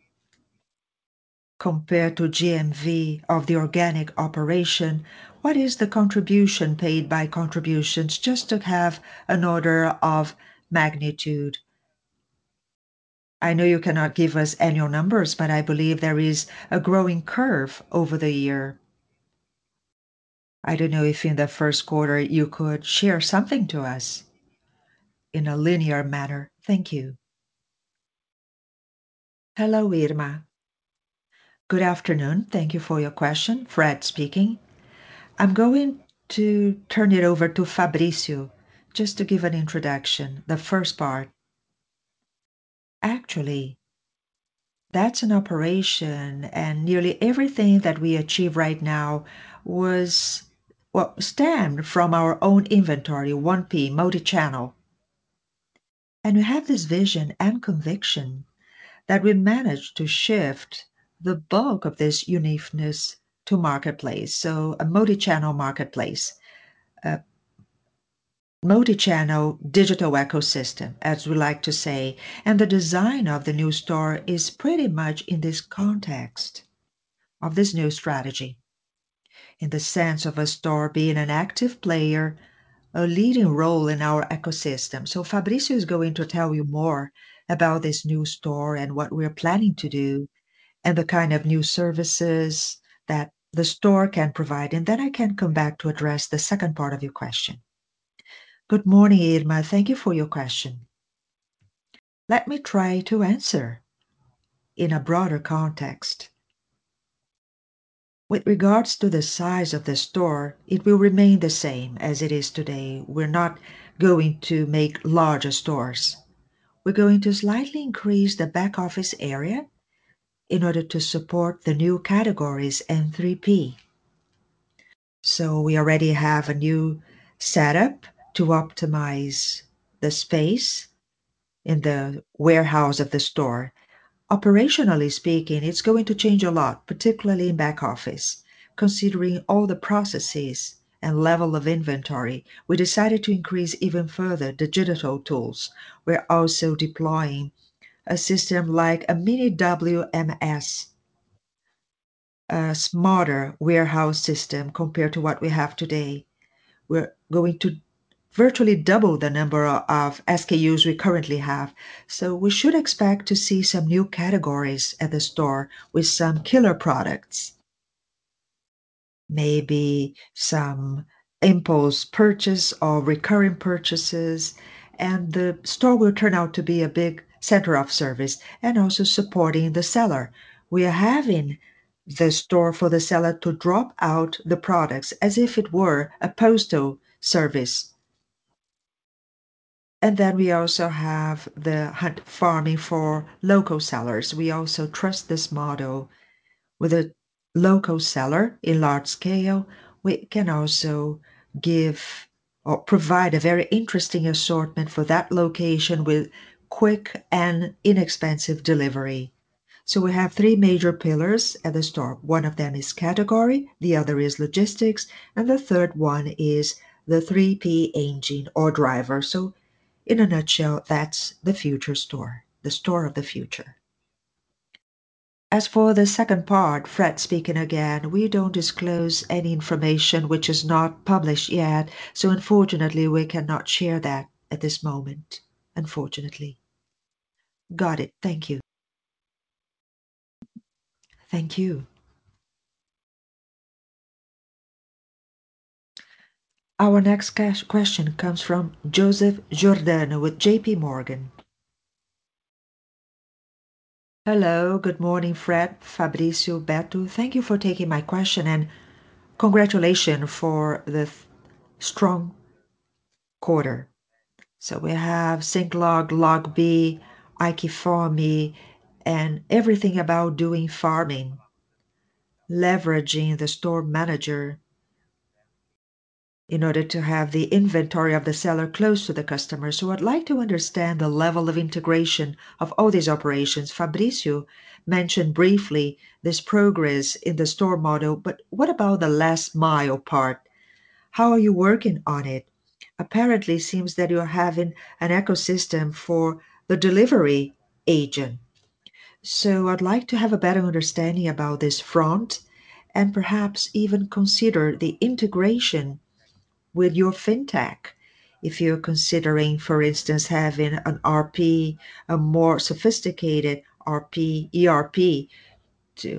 compared to GMV of the organic operation, what is the contribution paid by contributions just to have an order of magnitude? I know you cannot give us annual numbers, but I believe there is a growing curve over the year. I don't know if in the first quarter you could share something to us in a linear manner? Thank you. Hello, Irma. Good afternoon. Thank you for your question, Fred speaking. I'm going to turn it over to Fabricio just to give an introduction, the first part. Actually, that's an operation and nearly everything that we achieve right now stemmed from our own inventory, 1P multi-channel. We have this vision and conviction that we managed to shift the bulk of this uniqueness to marketplace, so a multi-channel marketplace, a multi-channel digital ecosystem, as we like to say. The design of the new store is pretty much in this context of this new strategy, in the sense of a store being an active player, a leading role in our ecosystem. Fabricio is going to tell you more about this new store and what we're planning to do and the kind of new services that the store can provide. Then I can come back to address the second part of your question. Good morning, Irma. Thank you for your question. Let me try to answer in a broader context. With regards to the size of the store, it will remain the same as it is today. We're not going to make larger stores. We're going to slightly increase the back-office area in order to support the new categories and 3P. We already have a new setup to optimize the space in the warehouse at the store. Operationally speaking, it's going to change a lot, particularly in back office. Considering all the processes and level of inventory, we decided to increase even further the digital tools. We're also deploying a system like a mini WMS, a smarter warehouse system compared to what we have today. We're going to virtually double the number of SKUs we currently have. We should expect to see some new categories at the store with some killer products. Maybe some impulse purchase or recurring purchases, and the store will turn out to be a big center of service and also supporting the seller. We are having the store for the seller to drop out the products as if it were a postal service. We also have the farming for local sellers. We also trust this model with a local seller in large scale. We can also give or provide a very interesting assortment for that location with quick and inexpensive delivery. We have three major pillars at the store. One of them is category, the other is logistics, and the third one is the 3P engine or driver. In a nutshell, that's the future store, the store of the future. As for the second part, Fred speaking again, we don't disclose any information which is not published yet, so unfortunately we cannot share that at this moment, unfortunately. Got it. Thank you. Thank you. Our next question comes from Joseph Giordano with JPMorgan. Hello. Good morning, Fred, Fabricio, Beto. Thank you for taking my question and congratulations for the strong quarter. We have SincLog, LogBee, AiQFome, and everything about doing farming, leveraging the store manager in order to have the inventory of the seller close to the customer. I'd like to understand the level of integration of all these operations. Fabricio mentioned briefly this progress in the store model, but what about the last mile part? How are you working on it? Apparently, it seems that you're having an ecosystem for the delivery agent. I'd like to have a better understanding about this front and perhaps even consider the integration with your fintech. If you're considering, for instance, having an ERP, a more sophisticated ERP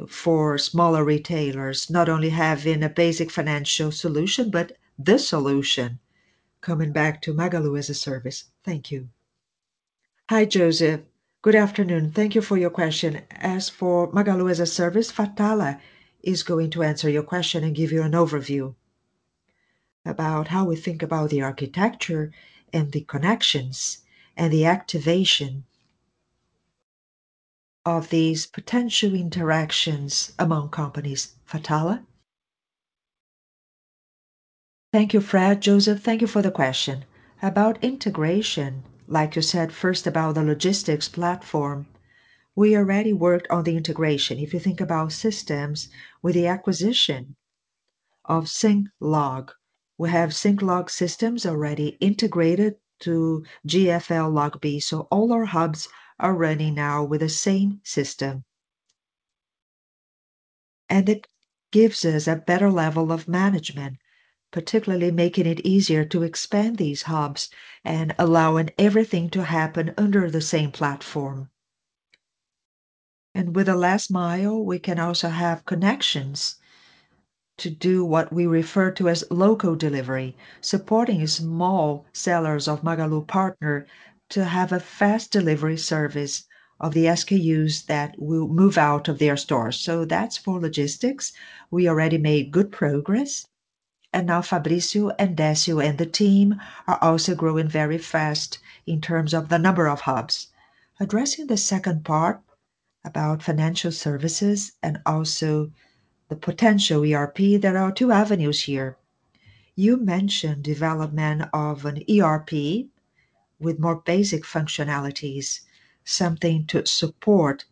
for smaller retailers, not only having a basic financial solution, but the solution coming back to Magalu as a Service. Thank you. Hi, Joseph. Good afternoon. Thank you for your question. As for Magalu as a Service, Fatala is going to answer your question and give you an overview about how we think about the architecture and the connections and the activation of these potential interactions among companies. Fatala? Thank you, Fred. Joseph, thank you for the question. About integration, like you said, first about the logistics platform, we already worked on the integration. If you think about systems with the acquisition of SincLog. We have SincLog systems already integrated to GFL, LogBee. All our hubs are ready now with the same system. It gives us a better level of management, particularly making it easier to expand these hubs and allowing everything to happen under the same platform. With the last mile, we can also have connections to do what we refer to as local delivery, supporting small sellers of Magalu Partner to have a fast delivery service of the SKUs that will move out of their store. That's for logistics. We already made good progress, and now Fabricio and [Decio] and the team are also growing very fast in terms of the number of hubs. Addressing the second part about financial services and also the potential ERP, there are two avenues here. You mentioned development of an ERP with more basic functionalities, something to support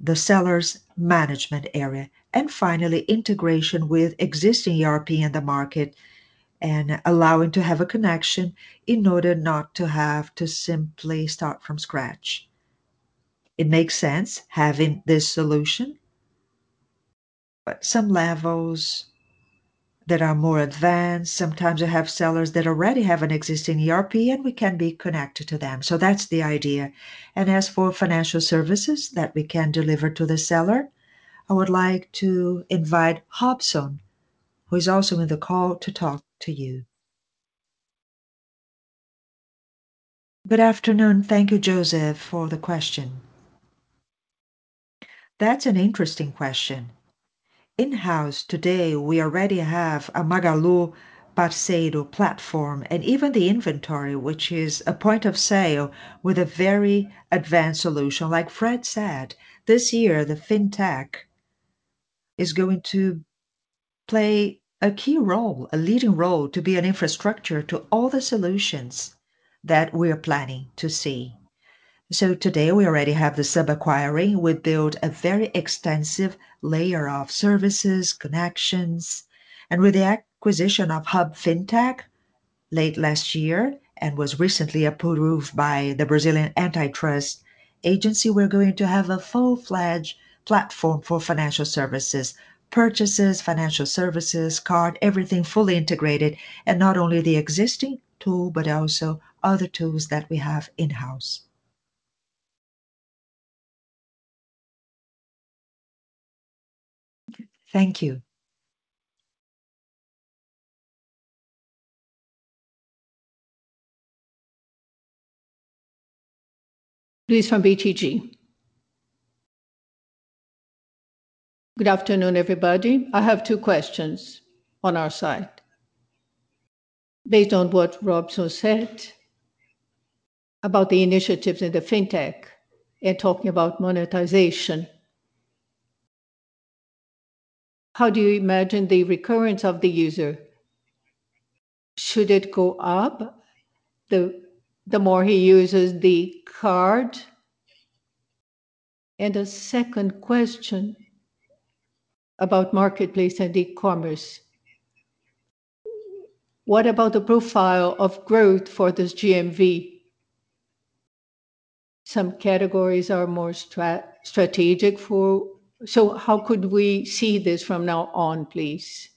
the seller's management area. Finally, integration with existing ERP in the market and allowing to have a connection in order not to have to simply start from scratch. It makes sense having this solution, some levels that are more advanced, sometimes you have sellers that already have an existing ERP, and we can be connected to them. That's the idea. As for financial services that we can deliver to the seller, I would like to invite Robson, who is also in the call to talk to you. Good afternoon. Thank you, Joseph, for the question. That's an interesting question. In-house today, we already have a Magalu Parceiro platform and even the inventory, which is a point of sale with a very advanced solution. Like Fred said, this year the fintech is going to play a key role, a leading role, to be an infrastructure to all the solutions that we are planning to see. Today, we already have the sub-acquiring. We build a very extensive layer of services, connections. With the acquisition of Hub Fintech late last year, and was recently approved by the Brazilian Antitrust Agency, we're going to have a full-fledged platform for financial services. Purchases, financial services, card, everything fully integrated, and not only the existing tool but also other tools that we have in-house. Thank you. Luiz from BTG. Good afternoon, everybody. I have two questions on our side. Based on what Robson said about the initiatives in the fintech and talking about monetization, how do you imagine the recurrence of the user? Should it go up the more he uses the card? A second question about marketplace and e-commerce. What about the profile of growth for this GMV? Some categories are more strategic. How could we see this from now on, please?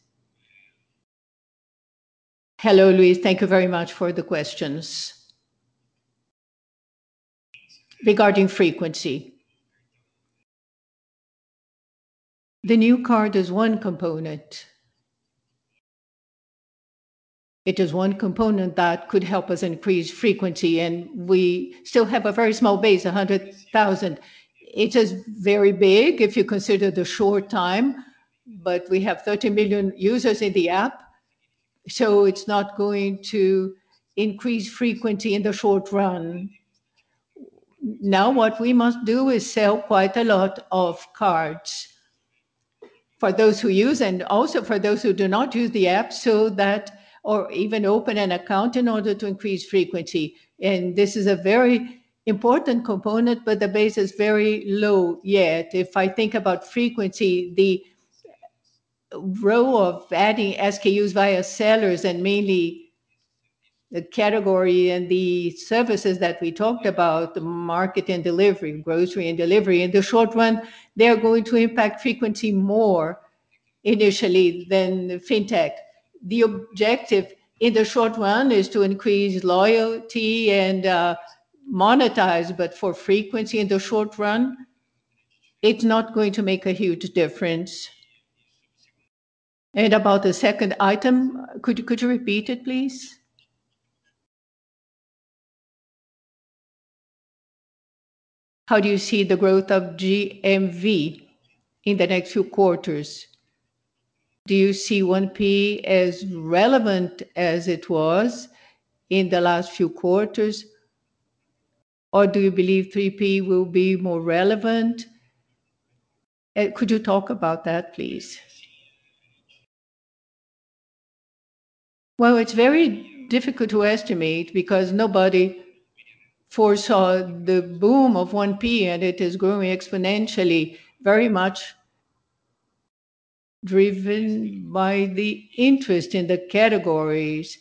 Hello, Luiz. Thank you very much for the questions. Regarding frequency, the new card is one component. It is one component that could help us increase frequency, and we still have a very small base, 100,000. It is very big if you consider the short time, but we have 30 million users in the app, it's not going to increase frequency in the short run. Now, what we must do is sell quite a lot of cards for those who use and also for those who do not use the app or even open an account in order to increase frequency. This is a very important component, but the base is very low yet. If I think about frequency, the role of adding SKUs via sellers and mainly the category and the services that we talked about, the market and delivery, grocery and delivery. In the short run, they're going to impact frequency more initially than the fintech. The objective in the short run is to increase loyalty and monetize, but for frequency in the short run, it's not going to make a huge difference. About the second item, could you repeat it, please? How do you see the growth of GMV in the next few quarters? Do you see 1P as relevant as it was in the last few quarters, or do you believe 3P will be more relevant? Could you talk about that, please? It's very difficult to estimate because nobody foresaw the boom of 1P, and it is growing exponentially, very much driven by the interest in the categories.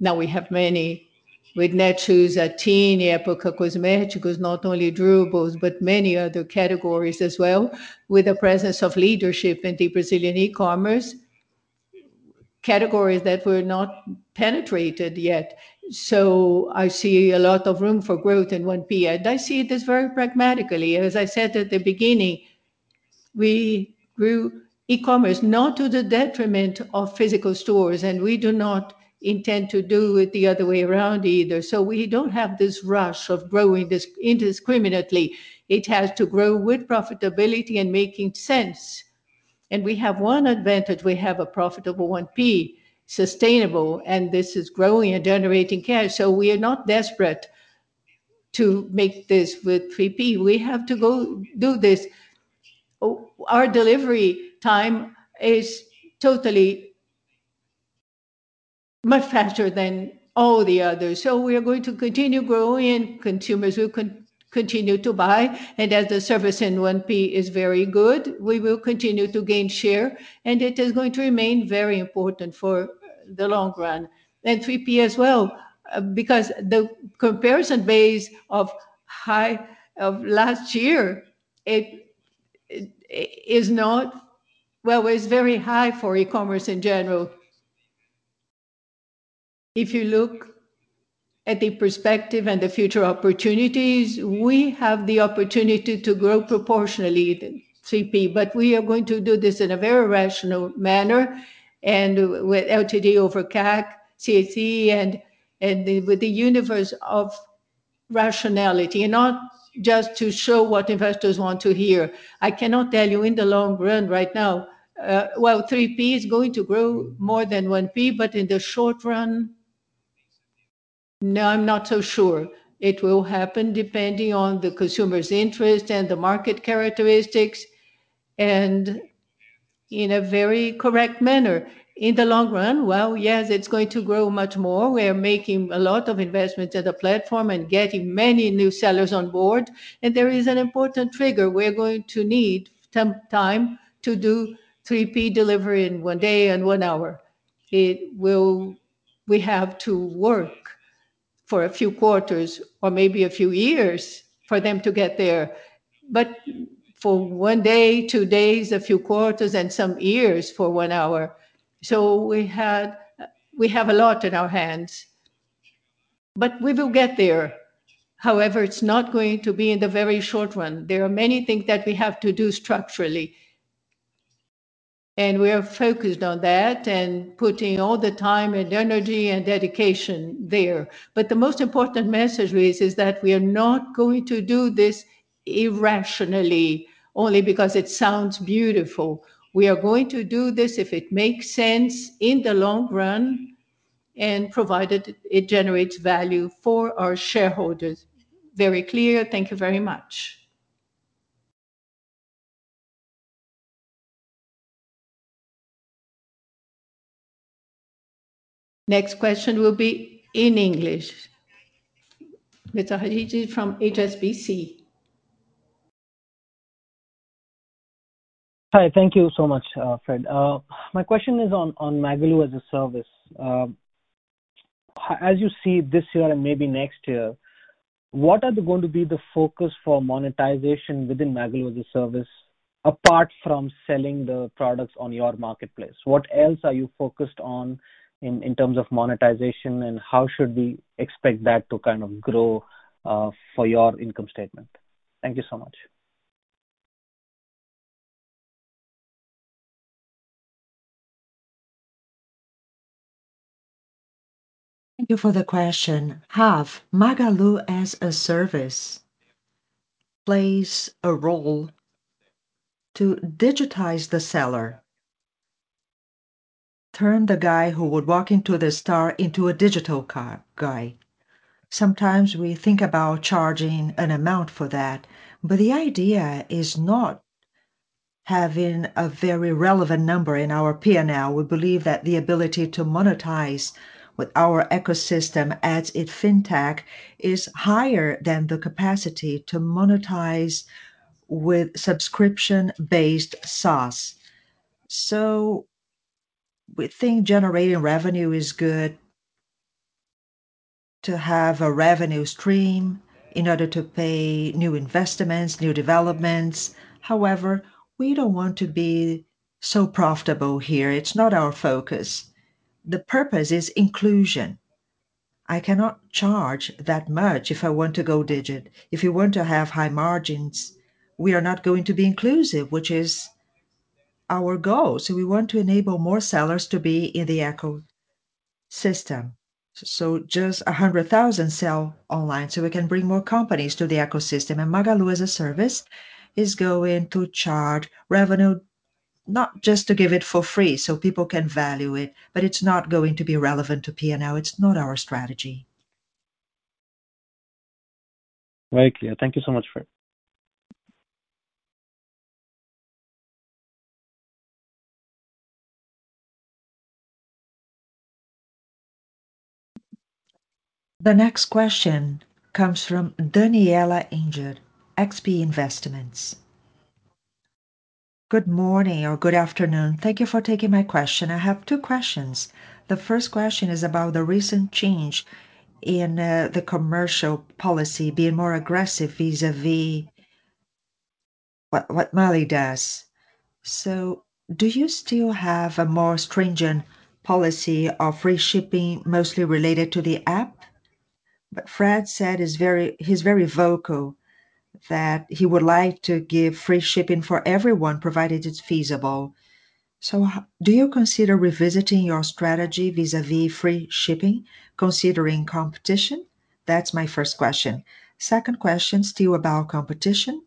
We have many with Netshoes, Zattini, Época Cosméticos, not only durables but many other categories as well, with the presence of leadership in the Brazilian e-commerce. Categories that were not penetrated yet. I see a lot of room for growth in 1P, and I see this very pragmatically. As I said at the beginning, we grew e-commerce not to the detriment of physical stores, and we do not intend to do it the other way around either. We don't have this rush of growing this indiscriminately. It has to grow with profitability and making sense. We have one advantage. We have a profitable 1P, sustainable, and this is growing and generating cash. We are not desperate to make this with 3P. We have to go do this. Our delivery time is totally much faster than all the others. We are going to continue growing, consumers will continue to buy, and as the service in 1P is very good, we will continue to gain share, and it is going to remain very important for the long run. 3P as well, because the comparison base of last year, well, it's very high for e-commerce in general. If you look at the perspective and the future opportunities, we have the opportunity to grow proportionally with 3P, but we are going to do this in a very rational manner and with LTV over CAC, CAC, and with the universe of rationality, not just to show what investors want to hear. I cannot tell you in the long run right now. Well, 3P is going to grow more than 1P, but in the short run. Now I'm not so sure it will happen depending on the consumer's interest and the market characteristics and in a very correct manner. In the long run, well, yes, it's going to grow much more. We are making a lot of investments at the platform and getting many new sellers on board, and there is an important trigger. We're going to need some time to do 3P delivery in one day and one hour. We have to work for a few quarters or maybe a few years for them to get there. For one day, two days, a few quarters, and some years for one hour. We have a lot in our hands, but we will get there. However, it's not going to be in the very short run. There are many things that we have to do structurally, and we are focused on that and putting all the time and energy and dedication there. The most important message is that we are not going to do this irrationally only because it sounds beautiful. We are going to do this if it makes sense in the long run and provided it generates value for our shareholders. Very clear. Thank you very much. Next question will be in English. Mr. Ravi Jain from HSBC. Hi, thank you so much, Fred. My question is on Magalu as a Service. As you see this year and maybe next year, what are going to be the focus for monetization within Magalu as a Service, apart from selling the products on your marketplace? What else are you focused on in terms of monetization, and how should we expect that to kind of grow for your income statement? Thank you so much. Thank you for the question, Ravi. Magalu as a Service plays a role to digitize the seller, turn the guy who would walk into the store into a digital guy. Sometimes we think about charging an amount for that. The idea is not having a very relevant number in our P&L. We believe that the ability to monetize with our ecosystem as a fintech is higher than the capacity to monetize with subscription-based SaaS. We think generating revenue is good to have a revenue stream in order to pay new investments, new developments. However, we don't want to be so profitable here. It's not our focus. The purpose is inclusion. I cannot charge that much if I want to go digital. If we want to have high margins, we are not going to be inclusive, which is our goal. We want to enable more sellers to be in the ecosystem. Just 100,000 sell online, so we can bring more companies to the ecosystem. Magalu as a Service is going to charge revenue, not just to give it for free so people can value it, but it's not going to be relevant to P&L. It's not our strategy. Very clear. Thank you so much, Fred. The next question comes from Danniela Eiger, XP Investimentos. Good morning or good afternoon. Thank you for taking my question. I have two questions. The first question is about the recent change in the commercial policy, being more aggressive vis-a-vis what Magalu does. Do you still have a more stringent policy of free shipping, mostly related to the app? Fred said he's very vocal that he would like to give free shipping for everyone, provided it's feasible. Do you consider revisiting your strategy vis-a-vis free shipping, considering competition? That's my first question. Second question, still about competition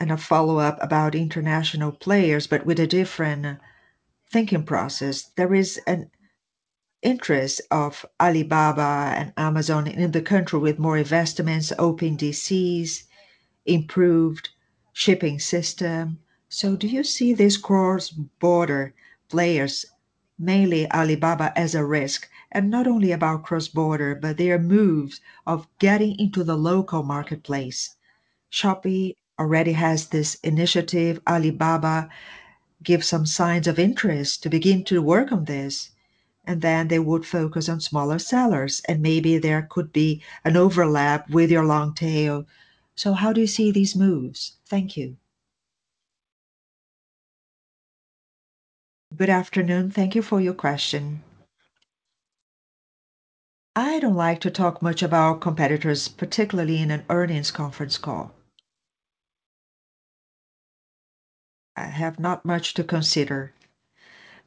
and a follow-up about international players, but with a different thinking process. There is an interest of Alibaba and Amazon in the country with more investments, opening DCs, improved shipping system. Do you see these cross-border players, mainly Alibaba, as a risk? Not only about cross-border, but their moves of getting into the local marketplace. Shopee already has this initiative. Alibaba gives some signs of interest to begin to work on this, and then they would focus on smaller sellers, and maybe there could be an overlap with your long tail. How do you see these moves? Thank you. Good afternoon. Thank you for your question. I don't like to talk much about competitors, particularly in an earnings conference call. I have not much to consider.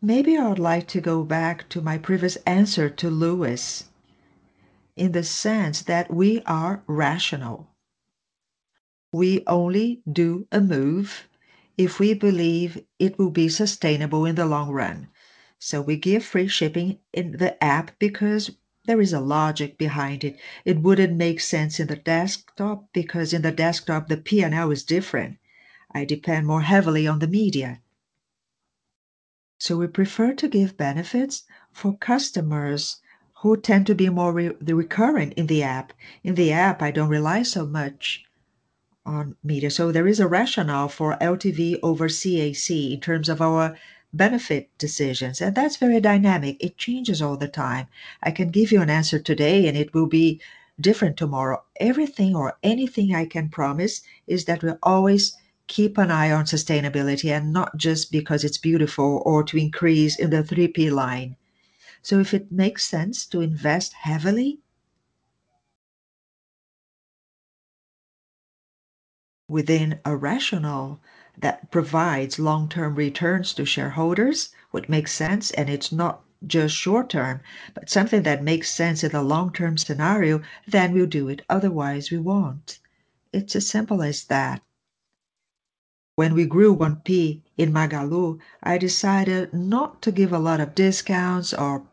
Maybe I would like to go back to my previous answer to Luiz, in the sense that we are rational. We only do a move if we believe it will be sustainable in the long run. We give free shipping in the app because there is a logic behind it. It wouldn't make sense in the desktop because in the desktop, the P&L is different. I depend more heavily on the media. We prefer to give benefits for customers who tend to be more recurrent in the app. In the app, I don't rely so much on media. There is a rationale for LTV over CAC in terms of our benefit decisions, and that's very dynamic. It changes all the time. I can give you an answer today, and it will be different tomorrow. Everything or anything I can promise is that we'll always keep an eye on sustainability and not just because it's beautiful or to increase in the 3P line. f it makes sense to invest heavily within a rationale that provides long-term returns to shareholders, what makes sense, and it's not just short-term, but something that makes sense in the long-term scenario, then we'll do it. Otherwise, we won't. It's as simple as that. When we grew 1P in Magalu, I decided not to give a lot of discounts or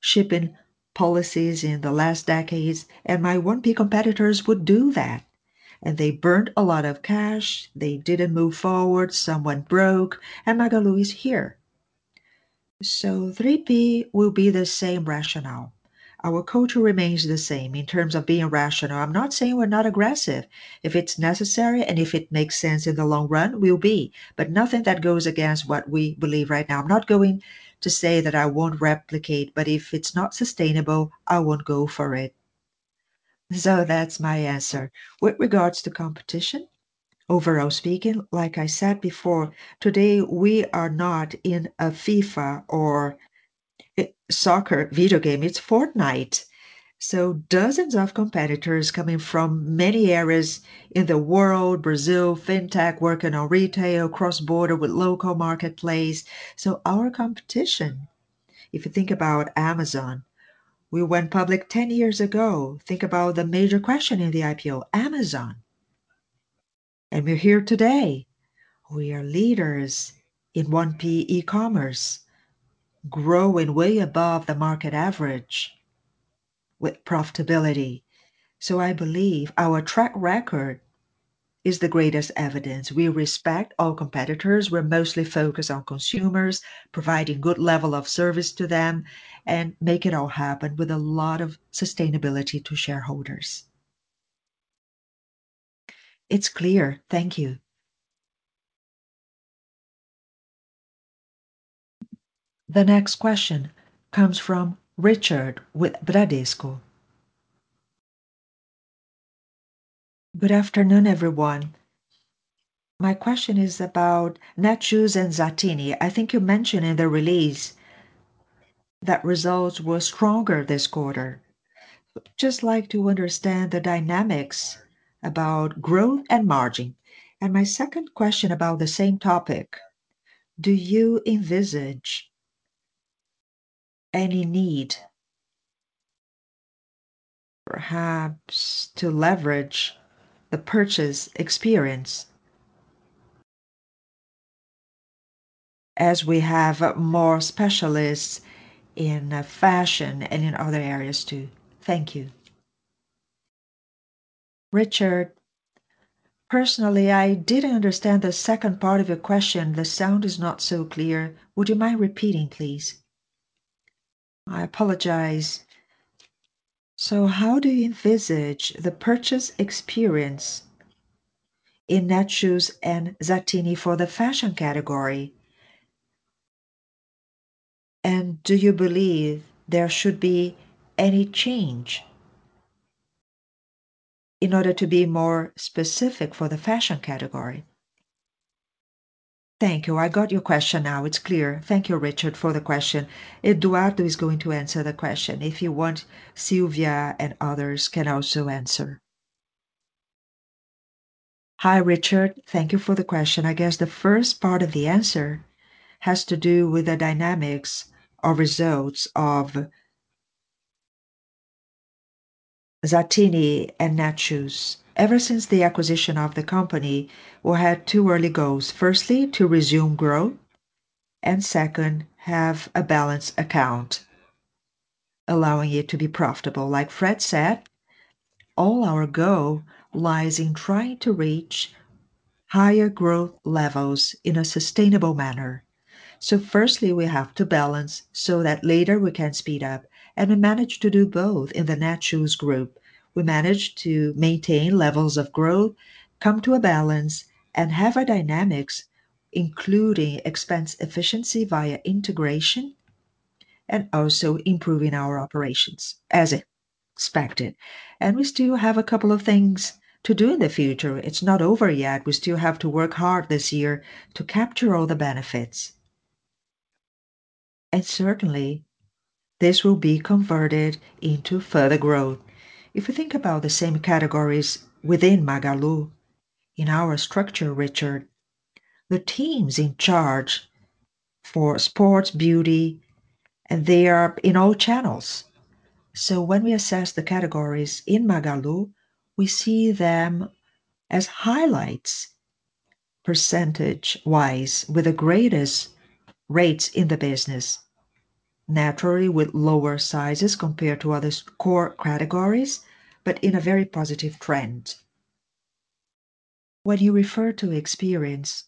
shipping policies in the last decades, and my 1P competitors would do that. They burnt a lot of cash, they didn't move forward, some went broke, and Magalu is here. 3P will be the same rationale. Our culture remains the same in terms of being rational. I'm not saying we're not aggressive. If it's necessary and if it makes sense in the long run, we'll be. Nothing that goes against what we believe right now. I'm not going to say that I won't replicate, but if it's not sustainable, I won't go for it. That's my answer. With regards to competition, overall speaking, like I said before, today, we are not in a FIFA or soccer video game. It's Fortnite. Dozens of competitors coming from many areas in the world, Brazil, fintech, working on retail, cross-border with local marketplace. Our competition, if you think about Amazon, we went public 10 years ago. Think about the major question in the IPO, Amazon. We're here today. We are leaders in 1P e-commerce, growing way above the market average with profitability. I believe our track record is the greatest evidence. We respect all competitors. We're mostly focused on consumers, providing good level of service to them, and make it all happen with a lot of sustainability to shareholders. It's clear. Thank you. The next question comes from Richard with Bradesco. Good afternoon, everyone. My question is about Netshoes and Zattini. I think you mentioned in the release that results were stronger this quarter. Just like to understand the dynamics about growth and margin. My second question about the same topic, do you envisage any need perhaps to leverage the purchase experience as we have more specialists in fashion and in other areas, too? Thank you. Richard, personally, I didn't understand the second part of your question. The sound is not so clear. Would you mind repeating, please? I apologize. How do you envisage the purchase experience in Netshoes and Zattini for the fashion category? Do you believe there should be any change in order to be more specific for the fashion category? Thank you. I got your question now. It's clear. Thank you, Richard, for the question. Eduardo is going to answer the question. If he wants, Silvia and others can also answer. Hi, Richard. Thank you for the question. I guess the first part of the answer has to do with the dynamics of results of Zattini and Netshoes. Ever since the acquisition of the company, we had two early goals. Firstly, to resume growth, and second, have a balanced account, allowing it to be profitable. Like Fred said, all our goal lies in trying to reach higher growth levels in a sustainable manner. Firstly, we have to balance so that later we can speed up, and we managed to do both in the Netshoes group. We managed to maintain levels of growth, come to a balance, and have a dynamics, including expense efficiency via integration, and also improving our operations as expected. We still have a couple of things to do in the future. It's not over yet. We still have to work hard this year to capture all the benefits. Certainly, this will be converted into further growth. If you think about the same categories within Magalu in our structure, Richard, the teams in charge for sports, beauty, and they are in all channels. When we assess the categories in Magalu, we see them as highlights, percentage-wise, with the greatest rates in the business. Naturally, with lower sizes compared to other core categories, but in a very positive trend. When you refer to the experience,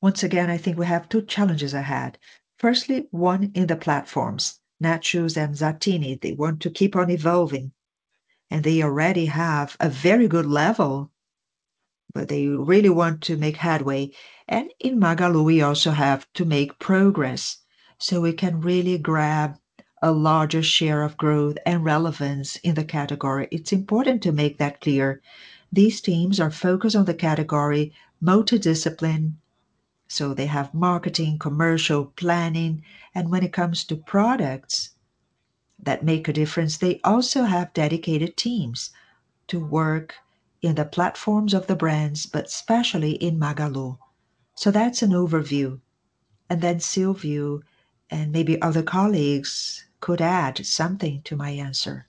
once again, I think we have two challenges ahead. Firstly, one in the platforms, Netshoes and Zattini, they want to keep on evolving, and they already have a very good level, but they really want to make headway. In Magalu, we also have to make progress so we can really grab a larger share of growth and relevance in the category. It's important to make that clear. These teams are focused on the category, multi-discipline, so they have marketing, commercial planning, and when it comes to products that make a difference, they also have dedicated teams to work in the platforms of the brands, but especially in Magalu. That's an overview, and then Silvia and maybe other colleagues could add something to my answer.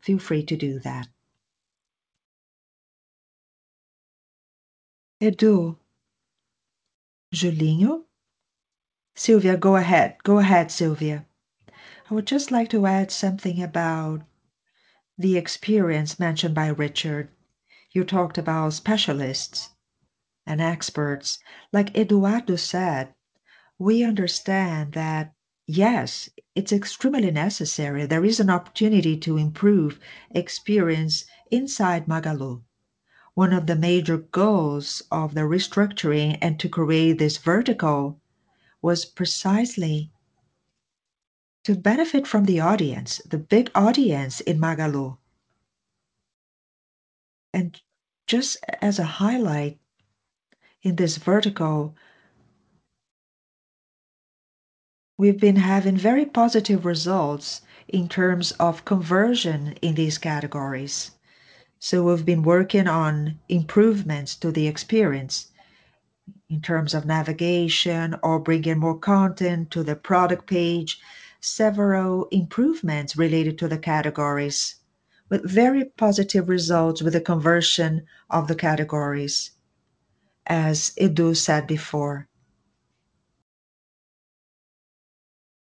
Feel free to do that. Eduardo? Frederico? Silvia, go ahead. I would just like to add something about the experience mentioned by Richard. You talked about specialists and experts. Like Eduardo said, we understand that, yes, it's extremely necessary. There is an opportunity to improve experience inside Magalu. One of the major goals of the restructuring and to create this vertical was precisely to benefit from the audience, the big audience in Magalu. Just as a highlight, in this vertical, we've been having very positive results in terms of conversion in these categories. We've been working on improvements to the experience in terms of navigation or bringing more content to the product page, several improvements related to the categories, with very positive results with the conversion of the categories, as Eduardo said before.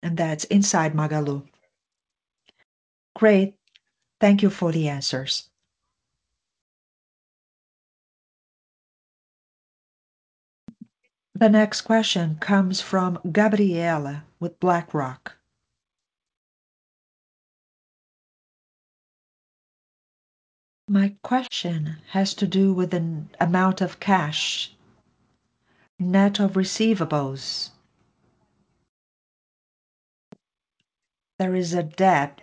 That's inside Magalu. Great. Thank you for the answers. The next question comes from Gabriela with BlackRock. My question has to do with an amount of cash, net of receivables. There is a debt.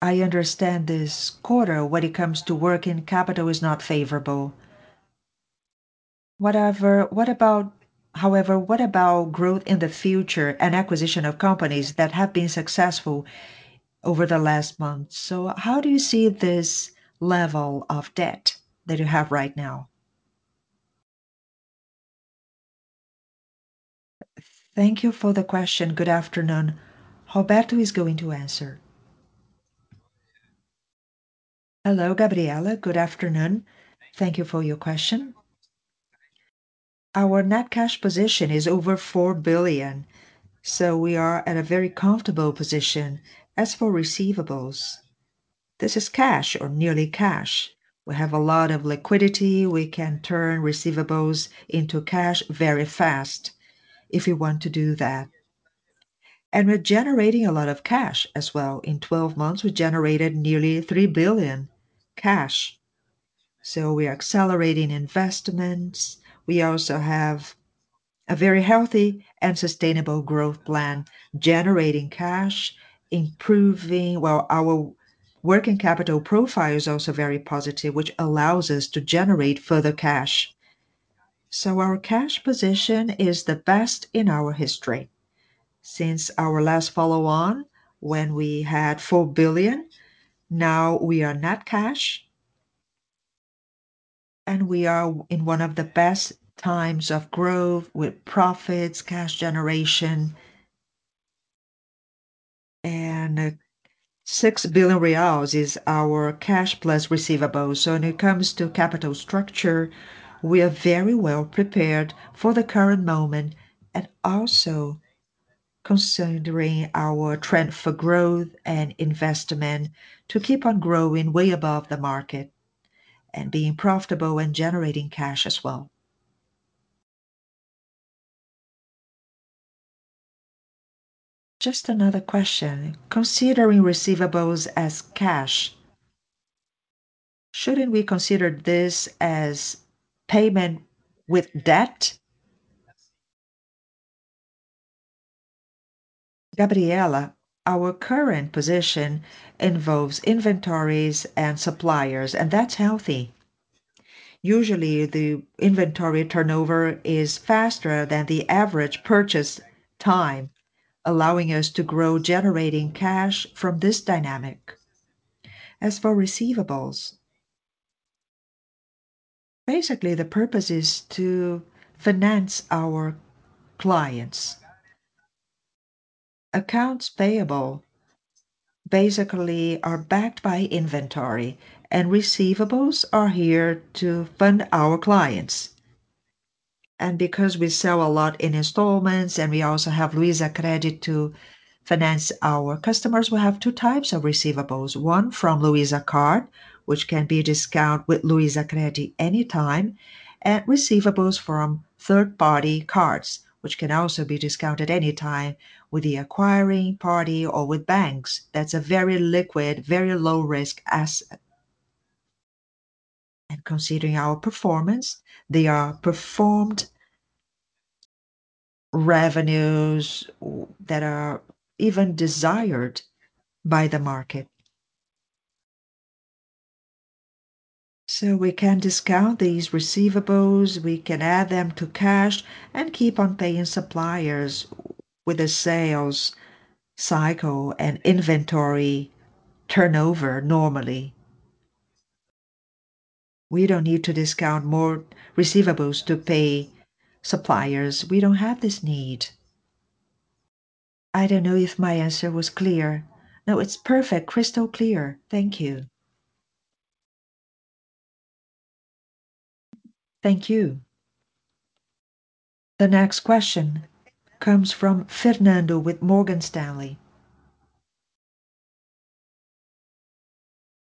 I understand this quarter when it comes to working capital is not favorable. However, what about growth in the future and acquisition of companies that have been successful over the last month? How do you see this level of debt that you have right now? Thank you for the question. Good afternoon. Roberto is going to answer. Hello, Gabriela. Good afternoon. Thank you for your question. Our net cash position is over 4 billion, we are in a very comfortable position. As for receivables, this is cash or nearly cash. We have a lot of liquidity. We can turn receivables into cash very fast if we want to do that. We're generating a lot of cash as well. In 12 months, we generated nearly 3 billion cash. We are accelerating investments. We also have a very healthy and sustainable growth plan, generating cash, well, our working capital profile is also very positive, which allows us to generate further cash. Our cash position is the best in our history. Since our last follow-on, when we had 4 billion, now we are net cash, and we are in one of the best times of growth with profits, cash generation, and 6 billion reais is our cash plus receivables. When it comes to capital structure, we are very well prepared for the current moment and also considering our trend for growth and investment to keep on growing way above the market and being profitable and generating cash as well. Just another question. Considering receivables as cash, shouldn't we consider this as payment with debt? Gabriela, our current position involves inventories and suppliers, and that's healthy. Usually, the inventory turnover is faster than the average purchase time, allowing us to grow generating cash from this dynamic. As for receivables. Basically, the purpose is to finance our clients. Accounts payable basically are backed by inventory, and receivables are here to fund our clients. Because we sell a lot in installments, and we also have Luizacred to finance our customers, we have two types of receivables. One from Luiza Card, which can be discount with Luizacred anytime, and receivables from third-party cards, which can also be discounted anytime with the acquiring party or with banks. That's a very liquid, very low-risk asset. Considering our performance, they are performed revenues that are even desired by the market. We can discount these receivables, we can add them to cash and keep on paying suppliers with the sales cycle and inventory turnover normally. We don't need to discount more receivables to pay suppliers. We don't have this need. I don't know if my answer was clear? No, it's perfect. Crystal clear. Thank you. Thank you. The next question comes from Fernando with Morgan Stanley.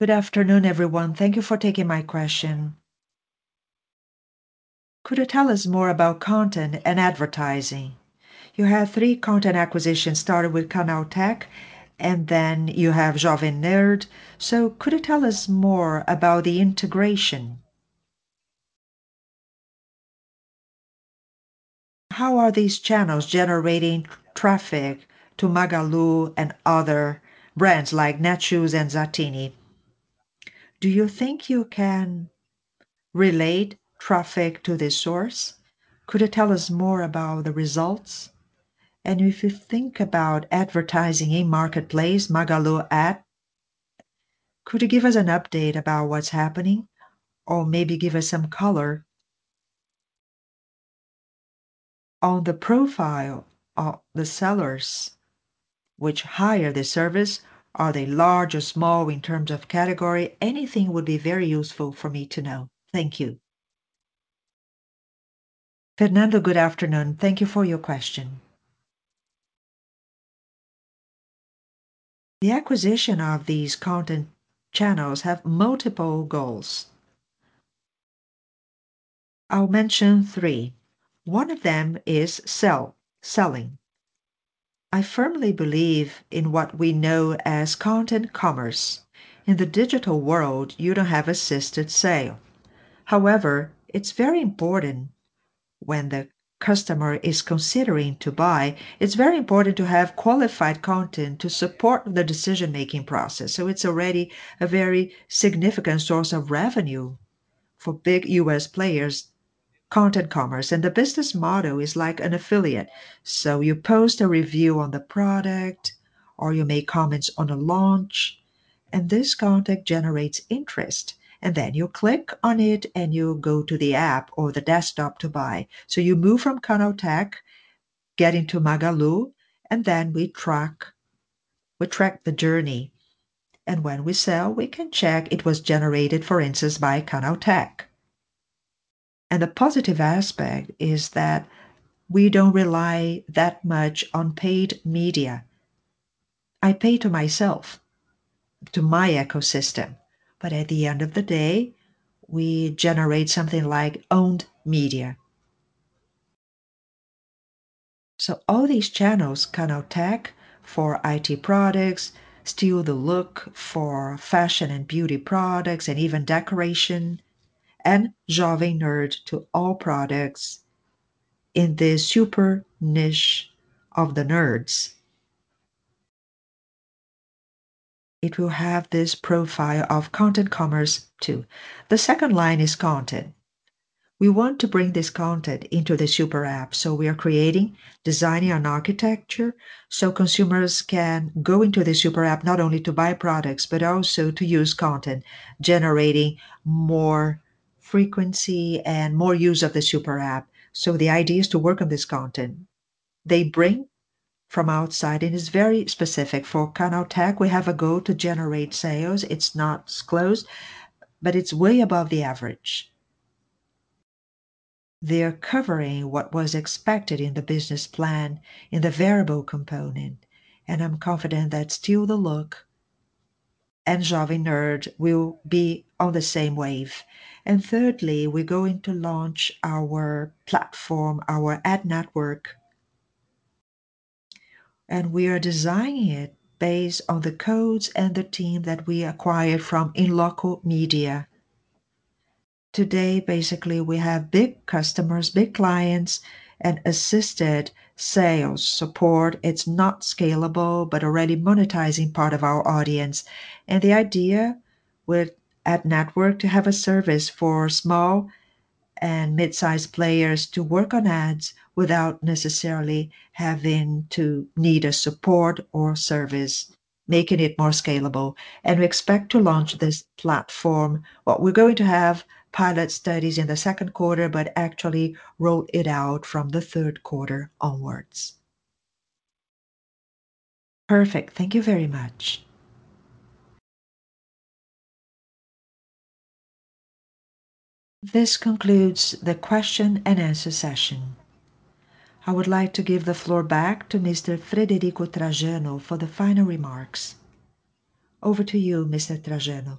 Good afternoon, everyone. Thank you for taking my question. Could you tell us more about content and advertising? You have three content acquisitions, starting with Canaltech, and then you have Jovem Nerd. Could you tell us more about the integration? How are these channels generating traffic to Magalu and other brands like Netshoes and Zattini? Do you think you can relate traffic to the source? Could you tell us more about the results? If you think about advertising in marketplace Magalu app, could you give us an update about what's happening or maybe give us some color on the profile of the sellers which hire the service? Are they large or small in terms of category? Anything would be very useful for me to know. Thank you. Fernando, good afternoon. Thank you for your question. The acquisition of these content channels have multiple goals. I'll mention three. One of them is selling. I firmly believe in what we know as content commerce. In the digital world, you don't have assisted sale. However, it's very important when the customer is considering to buy, it's very important to have qualified content to support the decision-making process. It's already a very significant source of revenue for big U.S. players, content commerce, and the business model is like an affiliate. You post a review on the product, or you make comments on a launch, and this content generates interest. Then you click on it, and you go to the app or the desktop to buy. You move from Canaltech, get into Magalu, and then we track the journey. When we sell, we can check it was generated, for instance, by Canaltech. The positive aspect is that we don't rely that much on paid media. I pay to myself, to my ecosystem. At the end of the day, we generate something like owned media. All these channels, Canaltech for IT products, Steal The Look for fashion and beauty products, and even decoration, and Jovem Nerd to all products in this super niche of the nerds. It will have this profile of content commerce too. The second line is content. We want to bring this content into the SuperApp, so we are creating, designing an architecture, so consumers can go into the SuperApp not only to buy products, but also to use content, generating more frequency and more use of the SuperApp. The idea is to work on this content they bring from outside, and it's very specific. For Canaltech, we have a goal to generate sales. It's not disclosed, but it's way above the average. They are covering what was expected in the business plan in the variable component, and I'm confident that Steal The Look and Jovem Nerd will be on the same wave. Thirdly, we're going to launch our platform, our ad network. We are designing it based on the codes and the team that we acquired from In Loco Media. Today, basically, we have big customers, big clients, and assisted sales support. It's not scalable, but already monetizing part of our audience. The idea with ad network, to have a service for small and mid-size players to work on ads without necessarily having to need a support or service, making it more scalable. We expect to launch this platform. Well, we're going to have pilot studies in the second quarter, but actually roll it out from the third quarter onwards. Perfect. Thank you very much. This concludes the question-and-answer session. I would like to give the floor back to Mr. Frederico Trajano for the final remarks. Over to you, Mr. Trajano.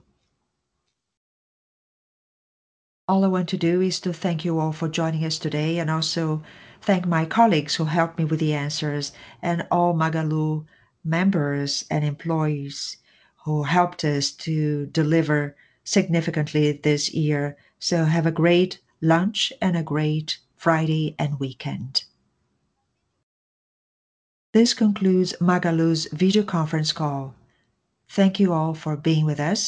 All I want to do is to thank you all for joining us today, and also thank my colleagues who helped me with the answers, and all Magalu members and employees who helped us to deliver significantly this year. Have a great lunch and a great Friday and weekend. This concludes Magalu's video conference call. Thank you all for being with us.